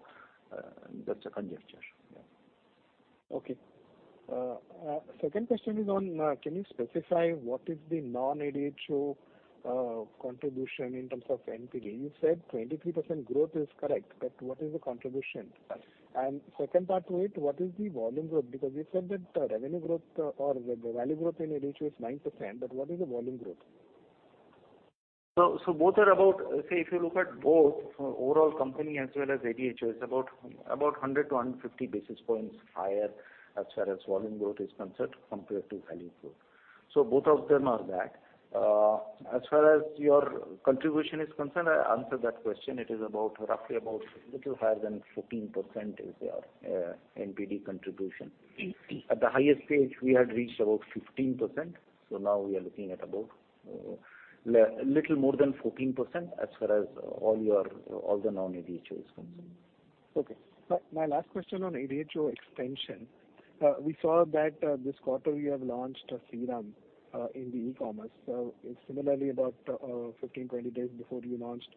just a conjecture. Yeah. Okay. Second question is on, can you specify what is the non-ADHO contribution in terms of NPD? You said 23% growth is correct, but what is the contribution? Second part to it, what is the volume growth? Because you said that the revenue growth or the value growth in ADHO is 9%, but what is the volume growth? Both are about... Say, if you look at both, overall company as well as ADHO, it's about 100 to 150 basis points higher as far as volume growth is concerned compared to value growth. Both of them are that. As far as your contribution is concerned, I answered that question. It is roughly about little higher than 14% is our NPD contribution. Eighteen. At the highest stage, we had reached about 15%, so now we are looking at about little more than 14% as far as all your, all the non-ADHO is concerned. Okay. My last question on ADHO extension. We saw that this quarter you have launched a serum in the e-commerce. Similarly, about 15, 20 days before you launched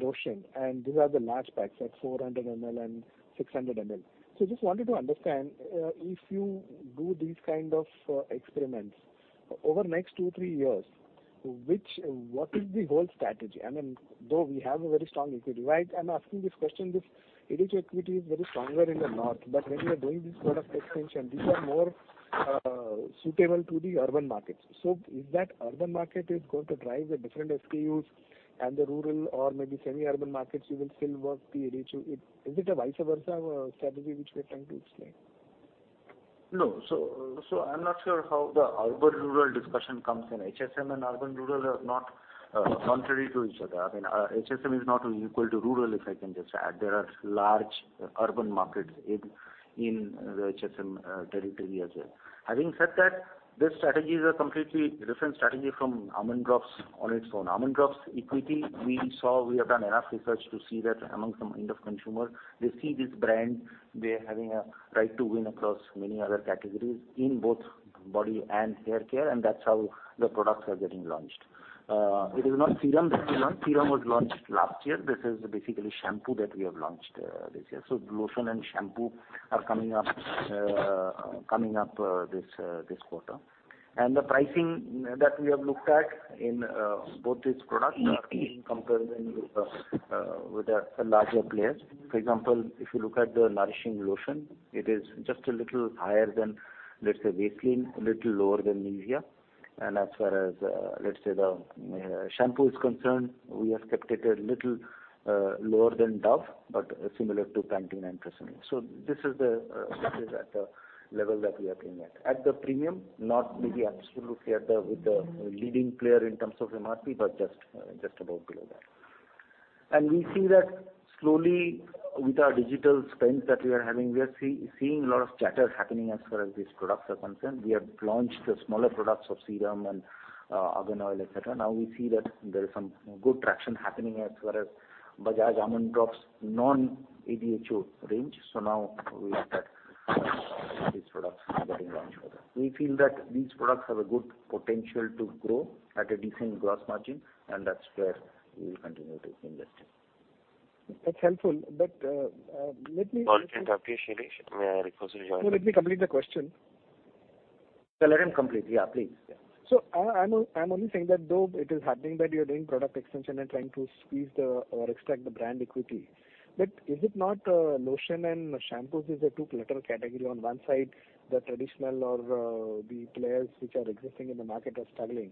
Dosan, and these are the large packs, like 400 ml and 600 ml. Just wanted to understand, if you do these kind of experiments over the next 2, 3 years, what is the whole strategy? I mean, though we have a very strong equity, why I'm asking this question, this ADHO equity is very stronger in the north, but when you are doing this product expansion, these are more suitable to the urban markets. Is that urban market is going to drive the different SKUs and the rural or maybe semi-urban markets, you will still work the ADHO? Is it a vice versa strategy which we are trying to explain? No. So I'm not sure how the urban, rural discussion comes in. HSM and urban rural are not contrary to each other. I mean, HSM is not equal to rural, if I can just add. There are large urban markets in, in the HSM territory as well. Having said that, these strategies are completely different strategy from Almond Drops on its own. Almond Drops equity, we saw, we have done enough research to see that among some kind of consumer, they see this brand, they're having a right to win across many other categories in both body and hair care. That's how the products are getting launched. It is not serum that we launched. Serum was launched last year. This is basically shampoo that we have launched this year. Lotion and shampoo are coming up, coming up this quarter. The pricing that we have looked at in both these products are comparing with a larger players. For example, if you look at the nourishing lotion, it is just a little higher than, let's say, Vaseline, a little lower than Nivea. As far as, let's say, the shampoo is concerned, we have kept it a little lower than Dove, but similar to Pantene and TRESemmé. This is the, this is at the level that we are playing at. At the premium, not maybe absolutely with the leading player in terms of MRP, but just, just about below that. We see that slowly, with our digital spend that we are having, we are seeing a lot of chatter happening as far as these products are concerned. We have launched the smaller products of serum and argan oil, et cetera. Now we see that there is some good traction happening as far as Bajaj Almond Drops non-ADHO range. Now we expect these products getting launched. We feel that these products have a good potential to grow at a decent gross margin, and that's where we will continue to invest in. That's helpful. One second, Shirish. May I request you to join? No, let me complete the question. Yeah, let him complete. Yeah, please. I'm only saying that though it is happening, that you're doing product extension and trying to squeeze the or extract the brand equity. Is it not, lotion and shampoos is a too cluttered category on one side, the traditional or, the players which are existing in the market are struggling,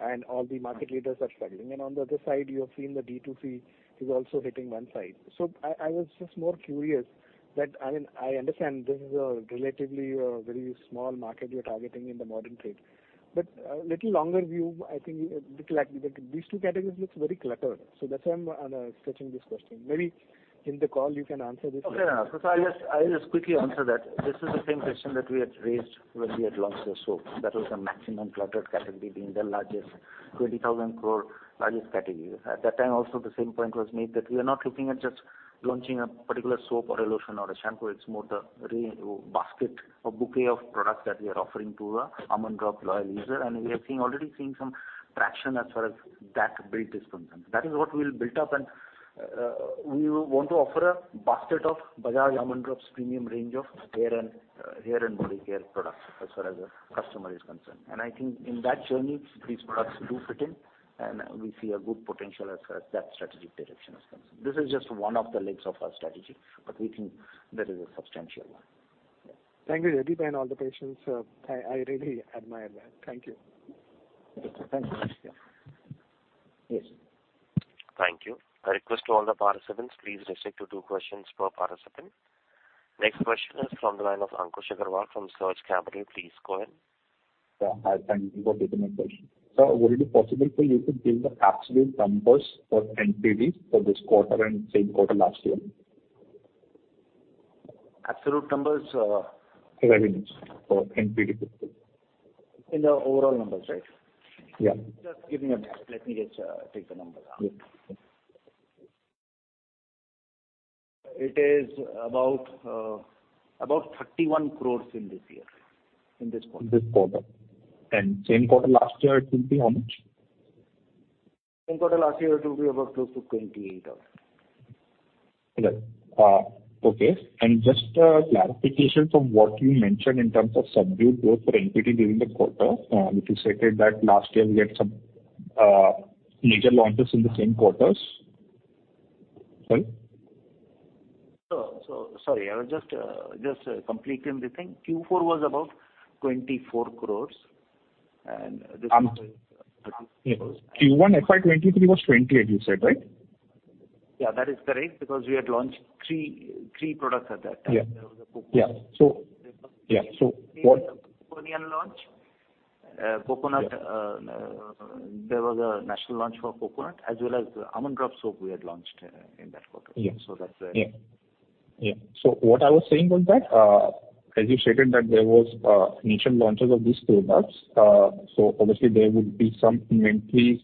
and all the market leaders are struggling. On the other side, you have seen the D2C is also hitting one side. I was just more curious that... I mean, I understand this is a relatively, very small market you're targeting in the modern trade, but, little longer view, I think, like, these two categories looks very cluttered. That's why I'm asking this question. Maybe in the call you can answer this. Okay. I'll just quickly answer that. This is the same question that we had raised when we had launched the soap. That was the maximum cluttered category, being the largest, 20,000 crore largest category. At that time also, the same point was made that we are not looking at just launching a particular soap or a lotion or a shampoo. It's more the basket or bouquet of products that we are offering to the Almond Drops loyal user, and we are already seeing some traction as far as that build is concerned. That is what we'll build up, we want to offer a basket of Bajaj Almond Drops premium range of hair and hair and body care products as far as the customer is concerned. I think in that journey, these products do fit in, and we see a good potential as far as that strategic direction is concerned. This is just one of the legs of our strategy, but we think that is a substantial one. Thank you, Deep, and all the patience. I, I really admire that. Thank you. Thank you. Yes. Thank you. I request to all the participants, please restrict to two questions per participant. Next question is from the line of Ankush Agrawal from Surge Capital. Please go ahead. Yeah, hi, thank you for taking my question. Would it be possible for you to give the absolute numbers for NPD for this quarter and same quarter last year? Absolute numbers. Revenue for NPD. In the overall numbers, right? Yeah. Just give me a minute. Let me just take the numbers out. Yes. It is about 31 crore in this year, in this quarter. This quarter. Same quarter last year, it will be how much? Same quarter last year, it will be about close to 28,000. Yeah. Okay, and just clarification from what you mentioned in terms of subdued growth for NPD during the quarter, which you stated that last year we had some major launches in the same quarters. Sorry? Sorry, I was just completing the thing. Q4 was about 24 crores, and this was 30 crores. Q1 FY 2023 was 28, you said, right? Yeah, that is correct, because we had launched 3, 3 products at that time. Yeah. There was a coconut- Yeah, so. Launch, coconut, there was a national launch for coconut, as well as the Almond Drop soap we had launched, in that quarter. Yeah. That's. Yeah. Yeah. What I was saying was that, as you stated, that there was initial launches of these products, obviously, there would be some inventories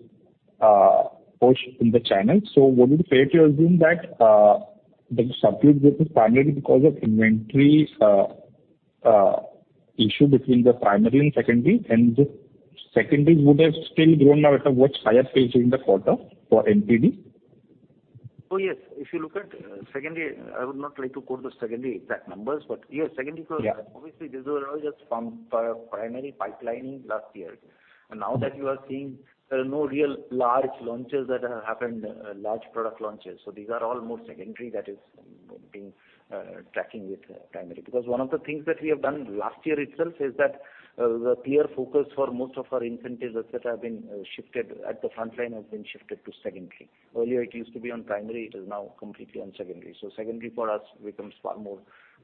pushed in the channel. Would it be fair to assume that the subdued growth is primarily because of inventory issue between the primary and secondary, and the secondary would have still grown now at a much higher pace in the quarter for NPD? Oh, yes. If you look at secondary, I would not like to quote the secondary exact numbers, but yes, secondary-. Yeah. Obviously, these were all just from primary pipelining last year. Now that you are seeing, there are no real large launches that have happened, large product launches. These are all more secondary that is being tracking with primary. Because one of the things that we have done last year itself is that, the clear focus for most of our incentives, et cetera, have been shifted at the frontline, has been shifted to secondary. Earlier, it used to be on primary, it is now completely on secondary. Secondary for us becomes far more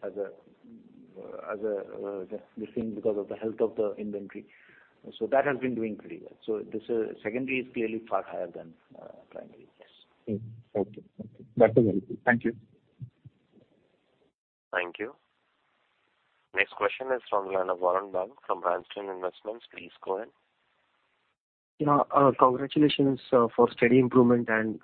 as a-... as a, the thing because of the health of the inventory. That has been doing pretty well. This secondary is clearly far higher than primary, yes. Okay. Okay. That's very clear. Thank you. Thank you. Next question is from Latika Chopra from Branston Investments. Please go ahead. Yeah, congratulations, for steady improvement and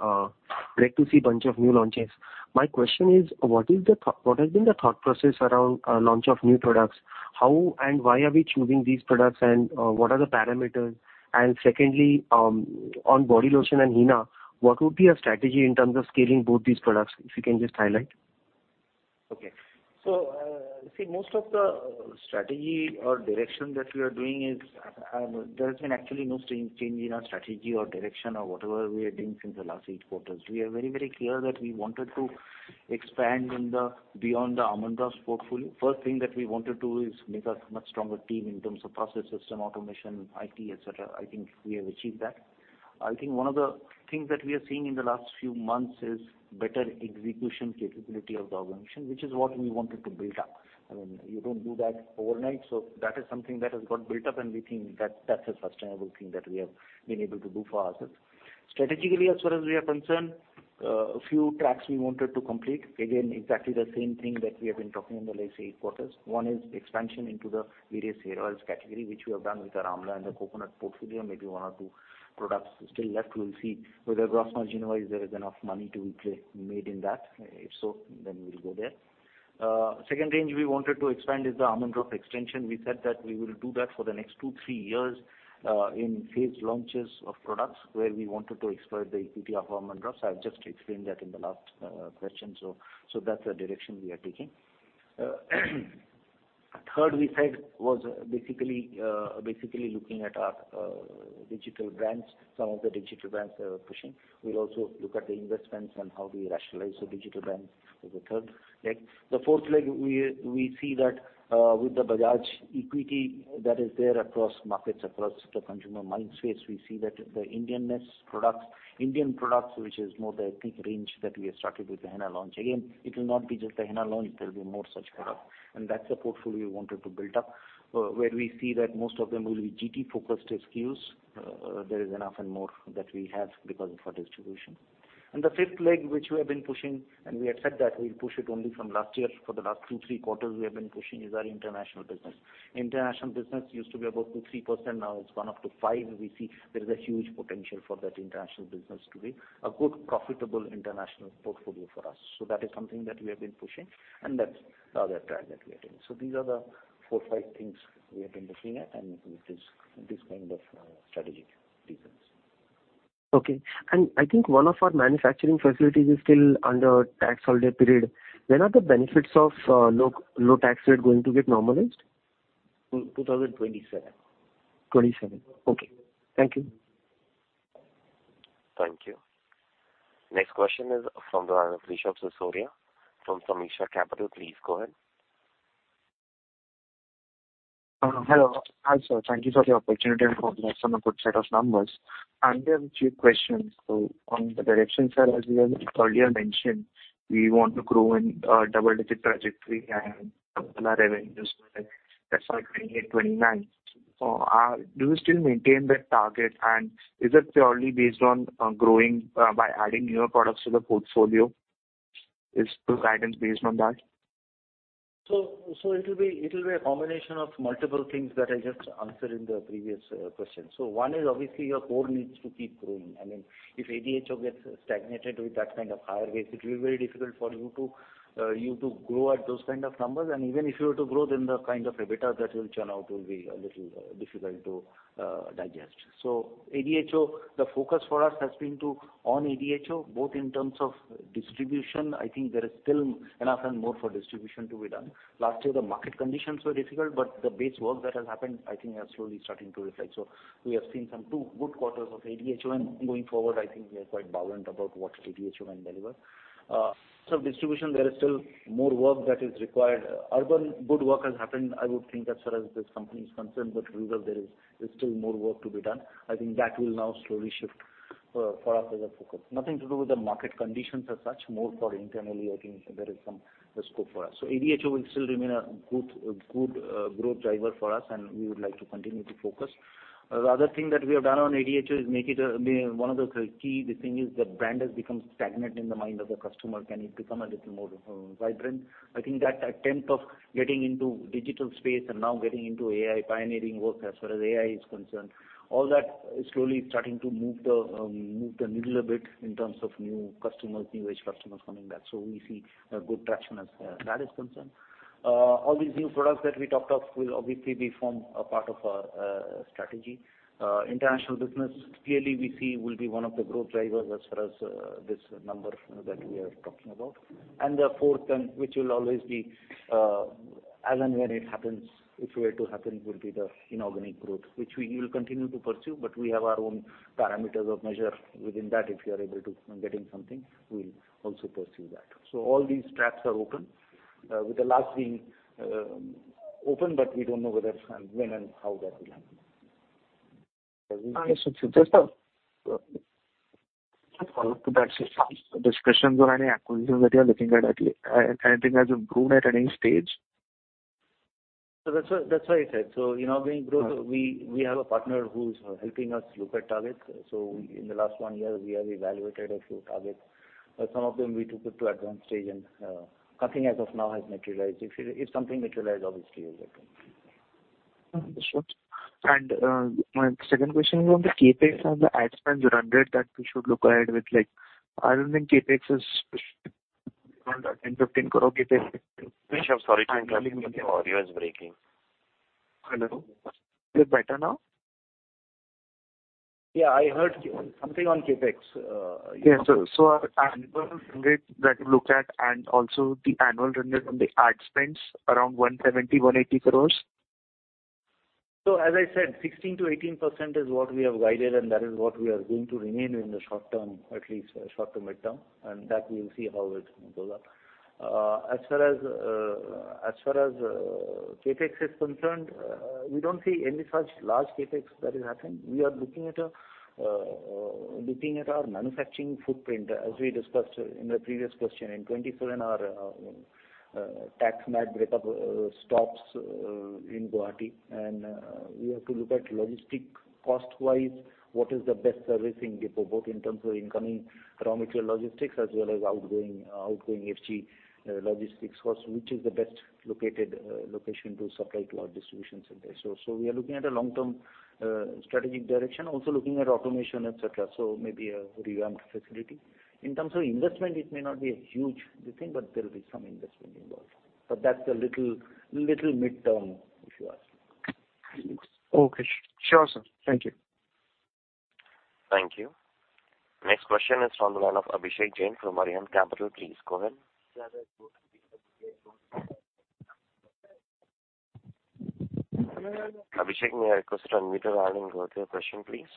great to see a bunch of new launches. My question is, what is the thought- what has been the thought process around launch of new products? How and why are we choosing these products, and what are the parameters? Secondly, on body lotion and henna, what would be your strategy in terms of scaling both these products, if you can just highlight? Okay. See, most of the strategy or direction that we are doing is, there has been actually no change in our strategy or direction or whatever we are doing since the last 8 quarters. We are very, very clear that we wanted to expand beyond the Almond Drops portfolio. First thing that we wanted to do is make a much stronger team in terms of process, system, automation, IT, et cetera. I think we have achieved that. I think one of the things that we are seeing in the last few months is better execution capability of the organization, which is what we wanted to build up. I mean, you don't do that overnight, that is something that has got built up, and we think that, that's a sustainable thing that we have been able to do for ourselves. Strategically, as far as we are concerned, a few tracks we wanted to complete. Exactly the same thing that we have been talking in the last eight quarters. One is expansion into the various hair oils category, which we have done with the Amla and the Coconut portfolio, maybe one or two products still left. We'll see whether gross margin-wise, there is enough money to be made in that. If so, we'll go there. Second range we wanted to expand is the Almond Drops extension. We said that we will do that for the next two, three years, in phase launches of products where we wanted to explore the equity of Almond Drops. I've just explained that in the last question, so that's the direction we are taking. Third, we said, was basically looking at our digital brands, some of the digital brands that we are pushing. We'll also look at the investments and how do we rationalize the digital brands as a third leg. The fourth leg, we see that with the Bajaj equity that is there across markets, across the consumer mind space, we see that the Indianness products, Indian products, which is more the ethnic range that we have started with the henna launch. It will not be just the henna launch, there will be more such products. That's the portfolio we wanted to build up where we see that most of them will be GT-focused SKUs. There is enough and more that we have because of our distribution. The fifth leg, which we have been pushing, and we had said that we'll push it only from last year. For the last 2-3 quarters, we have been pushing is our international business. International business used to be about 2 to 3%, now it's gone up to 5. We see there is a huge potential for that international business to be a good, profitable international portfolio for us. That is something that we have been pushing, and that's the other track that we are taking. These are the 4-5 things we have been looking at, and it is this kind of, strategic reasons. Okay. I think one of our manufacturing facilities is still under tax holiday period. When are the benefits of low, low tax rate going to get normalized? In two thousand and twenty-seven. 27. Okay, thank you. Thank you. Next question is from Rishabh Sisodia from Sameeksha Capital. Please go ahead. Hello. Hi, sir, thank you for the opportunity and congratulations on the good set of numbers. I have a few questions. On the direction, sir, as you have earlier mentioned, we want to grow in double-digit trajectory and revenues, that's why 2028, 2029. Do you still maintain that target? Is it purely based on growing by adding newer products to the portfolio? Is the guidance based on that? It will be a combination of multiple things that I just answered in the previous question. One is obviously your core needs to keep growing. I mean, if ADHO gets stagnated with that kind of higher base, it will be very difficult for you to grow at those kind of numbers. Even if you were to grow, then the kind of EBITDA that will churn out will be a little difficult to digest. ADHO, the focus for us has been to, on ADHO, both in terms of distribution, I think there is still enough and more for distribution to be done. Last year, the market conditions were difficult, but the base work that has happened, I think are slowly starting to reflect. We have seen some two good quarters of ADHO, and going forward, I think we are quite buoyant about what ADHO can deliver. Distribution, there is still more work that is required. Urban, good work has happened, I would think as far as this company is concerned, but rural, there is, there's still more work to be done. I think that will now slowly shift for us as a focus. Nothing to do with the market conditions as such, more for internally, I think there is some scope for us. ADHO will still remain a good growth driver for us, and we would like to continue to focus. The other thing that we have done on ADHO is make it, one of the key things is the brand has become stagnant in the mind of the customer. Can it become a little more vibrant? I think that attempt of getting into digital space and now getting into AI, pioneering work as far as AI is concerned, all that is slowly starting to move the needle a bit in terms of new customers, new age customers coming back. We see a good traction as that is concerned. All these new products that we talked of will obviously be form a part of our strategy. International business, clearly, we see will be one of the growth drivers as far as this number that we are talking about. The fourth, and which will always be as and when it happens, if were to happen, will be the inorganic growth, which we will continue to pursue, but we have our own parameters of measure. Within that, if we are able to getting something, we'll also pursue that. All these tracks are open, with the last being open, but we don't know whether, when and how that will happen.... Just a, just a follow-up to that discussion. Discussions on any acquisitions that you are looking at, at anything as of now at any stage? That's what, that's what I said. In organic growth, we, we have a partner who's helping us look at targets. In the last one year, we have evaluated a few targets, but some of them we took it to advanced stage, and nothing as of now has materialized. If it, if something materialize, obviously, you'll get to know. Understood. My second question is on the CapEx and the ad spend you rendered, that we should look ahead with like, I don't think CapEx is around 10 crore-15 crore CapEx. Vish, I'm sorry to interrupt you. Your audio is breaking. Hello. Is it better now? Yeah, I heard you. Something on CapEx? Yes, so annual rate that you look at and also the annual render from the ad spends around 170-180 crore. As I said, 16 to 18% is what we have guided, and that is what we are going to remain in the short term, at least short to mid-term, and that we will see how it will build up. As far as, as far as CapEx is concerned, we don't see any such large CapEx that is happening. We are looking at, looking at our manufacturing footprint, as we discussed in the previous question. In 2027 our tax MAT breakup stops in Guwahati, and we have to look at logistic cost-wise, what is the best servicing depot, both in terms of incoming raw material logistics as well as outgoing, outgoing FG logistics cost, which is the best located location to supply to our distribution center. We are looking at a long-term strategic direction, also looking at automation, et cetera. Maybe a revamped facility. In terms of investment, it may not be a huge thing, but there will be some investment involved. That's a little, little mid-term issue as it is. Okay. Sure, sir. Thank you. Thank you. Next question is from the one of Abhishek Jain from Orion Capital. Please go ahead. Abhishek, may I request you to unmute your line and go to your question, please?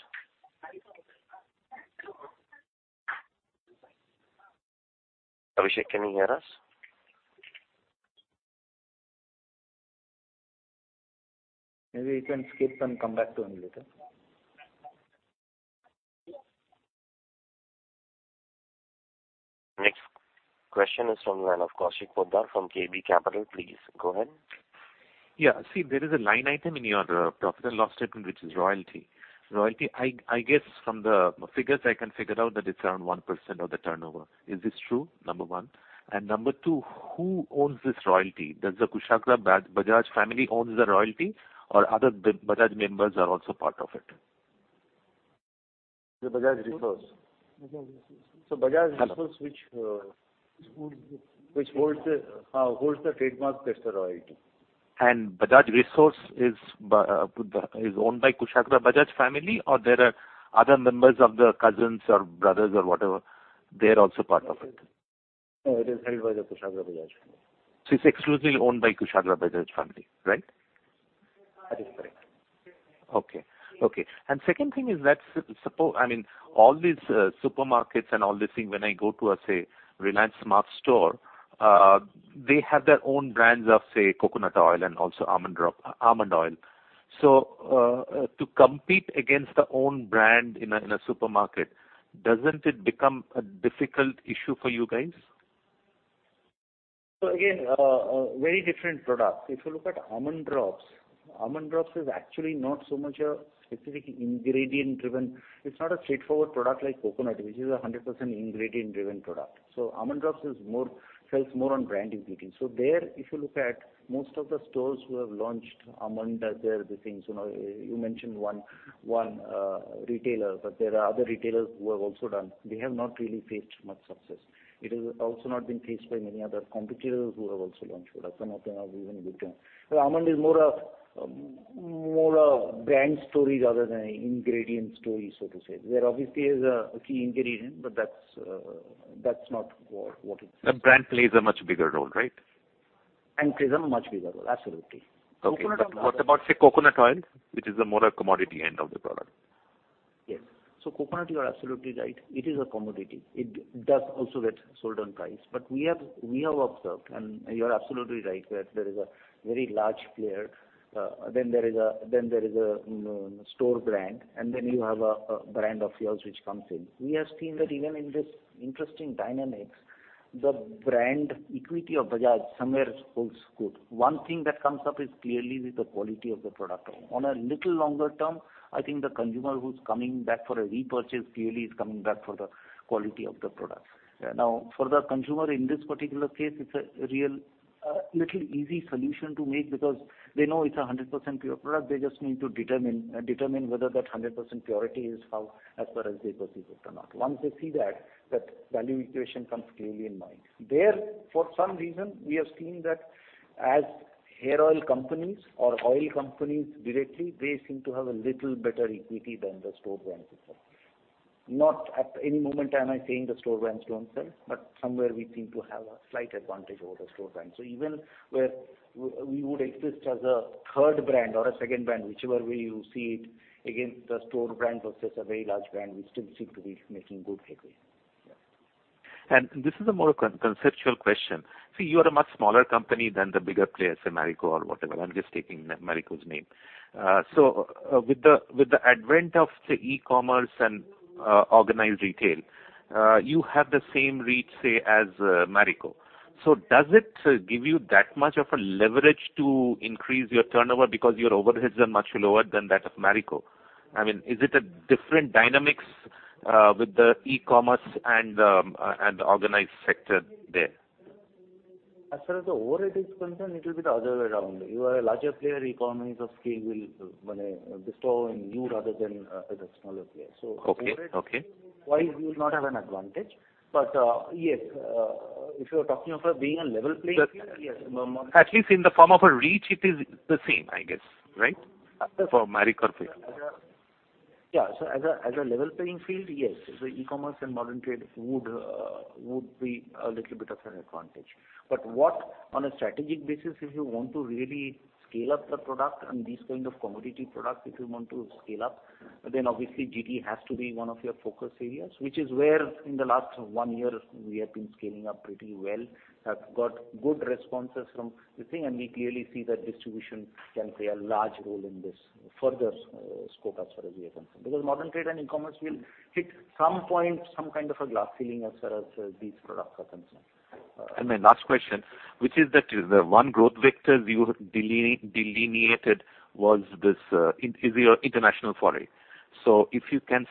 Abhishek, can you hear us? Maybe you can skip and come back to him later. Next question is from the line of Kaushik Poddar from KB Capital. Please go ahead. Yeah, see, there is a line item in your profit and loss statement, which is royalty. Royalty, I guess from the figures, I can figure out that it's around 1% of the turnover. Is this true? Number one. Number two, who owns this royalty? Does the Kushagra Bajaj family owns the royalty or other Bajaj members are also part of it? The Bajaj Resources. Bajaj Resources. Bajaj Resources- Hello. Which, which holds the, holds the trademark gets the royalty. Bajaj Resources is owned by Kushagra Bajaj family, or there are other members of the cousins or brothers or whatever, they're also part of it? No, it is held by the Kushagra Bajaj family. It's exclusively owned by Kushagra Bajaj family, right? That is correct. Okay. Okay, second thing is that suppo... I mean, all these supermarkets and all these things, when I go to, a say, Reliance SMART Store, they have their own brands of, say, coconut oil and also Almond Drops, almond oil. So, to compete against their own brand in a, in a supermarket, doesn't it become a difficult issue for you guys? Again, very different products. If you look at Almond Drops, Almond Drops is actually not so much a specific ingredient-driven. It's not a straightforward product like coconut, which is a 100% ingredient-driven product. Almond Drops is more, sells more on brand equity. There, if you look at most of the stores who have launched Almond, there, the things, you know, you mentioned one retailer, but there are other retailers who have also done. They have not really faced much success. It has also not been faced by many other competitors who have also launched products. Some of them have even withdrawn. Almond is more a brand story rather than an ingredient story, so to say. There obviously is a key ingredient, but that's not what it is. The brand plays a much bigger role, right? Brand plays a much bigger role, absolutely. Okay. Coconut oil. What about, say, coconut oil, which is a more a commodity end of the product? Yes. Coconut, you are absolutely right. It is a commodity. We have, we have observed, and you are absolutely right, that there is a very large player, then there is a, then there is a store brand, and then you have a, a brand of yours which comes in. We have seen that even in this interesting dynamics, the brand equity of Bajaj somewhere holds good. One thing that comes up is clearly with the quality of the product. On a little longer term, I think the consumer who's coming back for a repurchase clearly is coming back for the quality of the product. For the consumer, in this particular case, it's a real little easy solution to make because they know it's a 100% pure product. They just need to determine, determine whether that 100% purity is how as far as they perceive it or not. Once they see that, that value equation comes clearly in mind. There, for some reason, we have seen that as hair oil companies or oil companies directly, they seem to have a little better equity than the store brands itself. Not at any moment am I saying the store brands don't sell, but somewhere we seem to have a slight advantage over the store brand. Even where we, we would exist as a third brand or a second brand, whichever way you see it, against the store brand versus a very large brand, we still seem to be making good headway. This is a more conceptual question? See, you are a much smaller company than the bigger players, say, Marico or whatever. I'm just taking Marico's name. With the advent of, say, e-commerce and organized retail, you have the same reach, say, as Marico. Does it give you that much of a leverage to increase your turnover because your overheads are much lower than that of Marico? I mean, is it a different dynamics with the e-commerce and the and organized sector there? As far as the overhead is concerned, it will be the other way around. You are a larger player, economies of scale will bestow on you rather than the smaller player. Okay, okay. Overhead, while you will not have an advantage. Yes, if you are talking of being a level playing field, yes. At least in the form of a reach, it is the same, I guess, right? For Marico field. As a, as a level playing field, yes. E-commerce and modern trade would be a little bit of an advantage. But what, on a strategic basis, if you want to really scale up the product and this kind of commodity product, if you want to scale up, then obviously, GT has to be one of your focus areas, which is where in the last 1 year, we have been scaling up pretty well. I've got good responses from the thing, and we clearly see that distribution can play a large role in this further scope as far as we are concerned. Because modern trade and e-commerce will hit some point, some kind of a glass ceiling as far as these products are concerned. My last question, which is that the one growth vector you delineated, delineated was this, is your international foray. So if you can,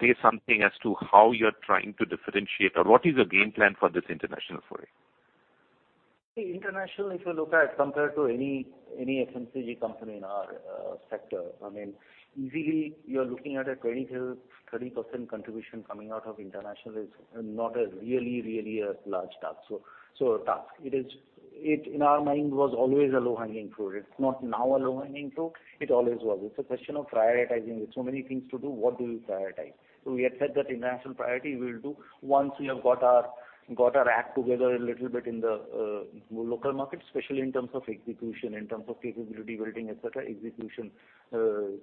say something as to how you're trying to differentiate or what is your game plan for this international foray? International, if you look at, compared to any, any FMCG company in our sector, I mean, easily, you are looking at a 20 to 30% contribution coming out of international is not a really, really a large task. It, in our mind, was always a low-hanging fruit. It's not now a low-hanging fruit, it always was. It's a question of prioritizing. With so many things to do, what do you prioritize? We accept that international priority, we will do once we have got our, got our act together a little bit in the local market, especially in terms of execution, in terms of capability building, et cetera, execution,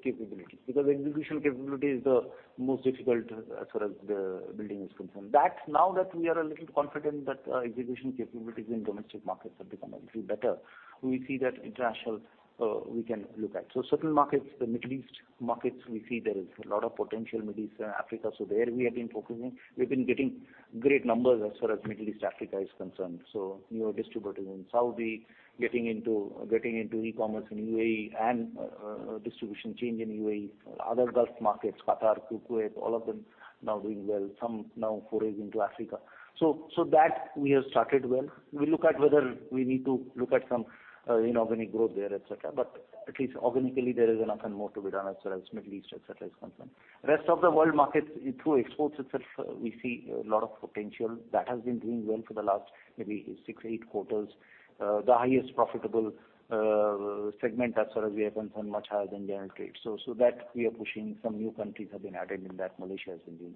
capability. Because execution capability is the most difficult as far as the building is concerned. That's now that we are a little confident that our execution capabilities in domestic markets have become a little better, we see that international, we can look at. Certain markets, the Middle East markets, we see there is a lot of potential, Middle East, Africa. There we have been focusing. We've been getting great numbers as far as Middle East, Africa is concerned. New distributors in Saudi, getting into, getting into e-commerce in UAE, and distribution change in UAE, other Gulf markets, Qatar, Kuwait, all of them now doing well, some now forays into Africa. So that we have started well. We look at whether we need to look at some inorganic growth there, et cetera. At least organically, there is enough and more to be done as far as Middle East, et cetera, is concerned. Rest of the world markets, through exports itself, we see a lot of potential. That has been doing well for the last maybe 6, 8 quarters. The highest profitable segment as far as we are concerned, much higher than general trade. So that we are pushing. Some new countries have been added in that, Malaysia has been doing.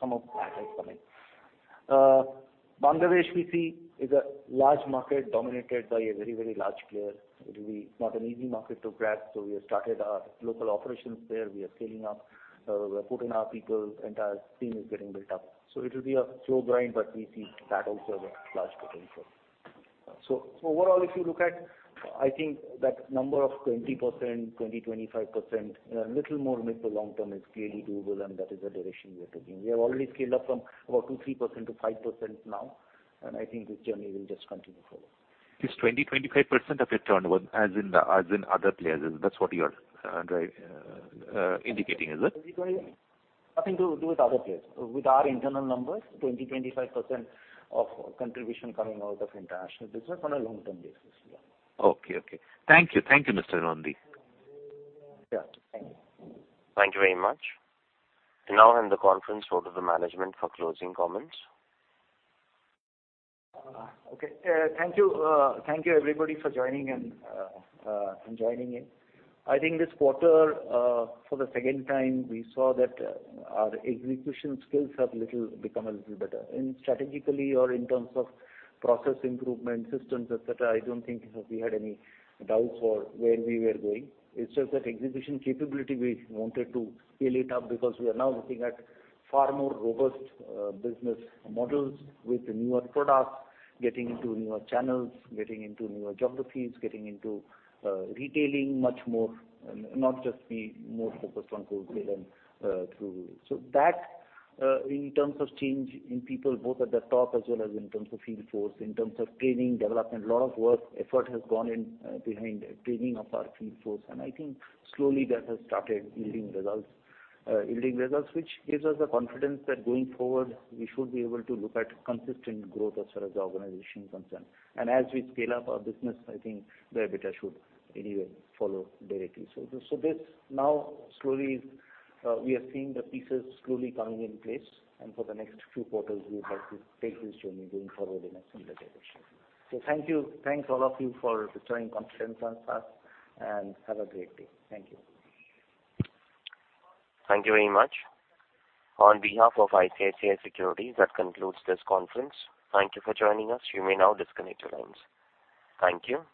Some of that has come in. Bangladesh, we see, is a large market dominated by a very, very large player. It will be not an easy market to grab, so we have started our local operations there. We are scaling up. We're putting our people, entire team is getting built up. It will be a slow grind, but we see that also has a large potential. Overall, if you look at, I think that number of 20%, 20, 25%, little more mid to long term is clearly doable, and that is the direction we are taking. We have already scaled up from about 2, 3 to 5% now, and I think this journey will just continue forward. This 20 to 25% of your turnover, as in, as in other players, that's what you are, drive, indicating, is it? Nothing to do with other players. With our internal numbers, 20 to 25% of contribution coming out of international business on a long-term basis, yeah. Okay, okay. Thank you. Thank you, Mr. Nandi. Yeah, thank you. Thank you very much. I hand the conference over to the management for closing comments. Okay. Thank you, thank you, everybody, for joining and joining in. I think this quarter, for the second time, we saw that our execution skills have little, become a little better. Strategically or in terms of process improvement, systems, et cetera, I don't think we had any doubts for where we were going. It's just that execution capability, we wanted to scale it up because we are now looking at far more robust business models with newer products, getting into newer channels, getting into newer geographies, getting into retailing much more, not just be more focused on wholesale and through... That, in terms of change in people, both at the top as well as in terms of field force, in terms of training, development, a lot of work, effort has gone in behind training of our field force. I think slowly, that has started yielding results, yielding results, which gives us the confidence that going forward, we should be able to look at consistent growth as far as the organization is concerned. As we scale up our business, I think the EBITDA should anyway follow directly. This, now, slowly, we are seeing the pieces slowly coming in place, and for the next few quarters, we would like to take this journey going forward in a similar direction. Thank you. Thanks, all of you, for bestowing confidence on us, and have a great day. Thank you. Thank you very much. On behalf of ICICI Securities, that concludes this conference. Thank you for joining us. You may now disconnect your lines. Thank you.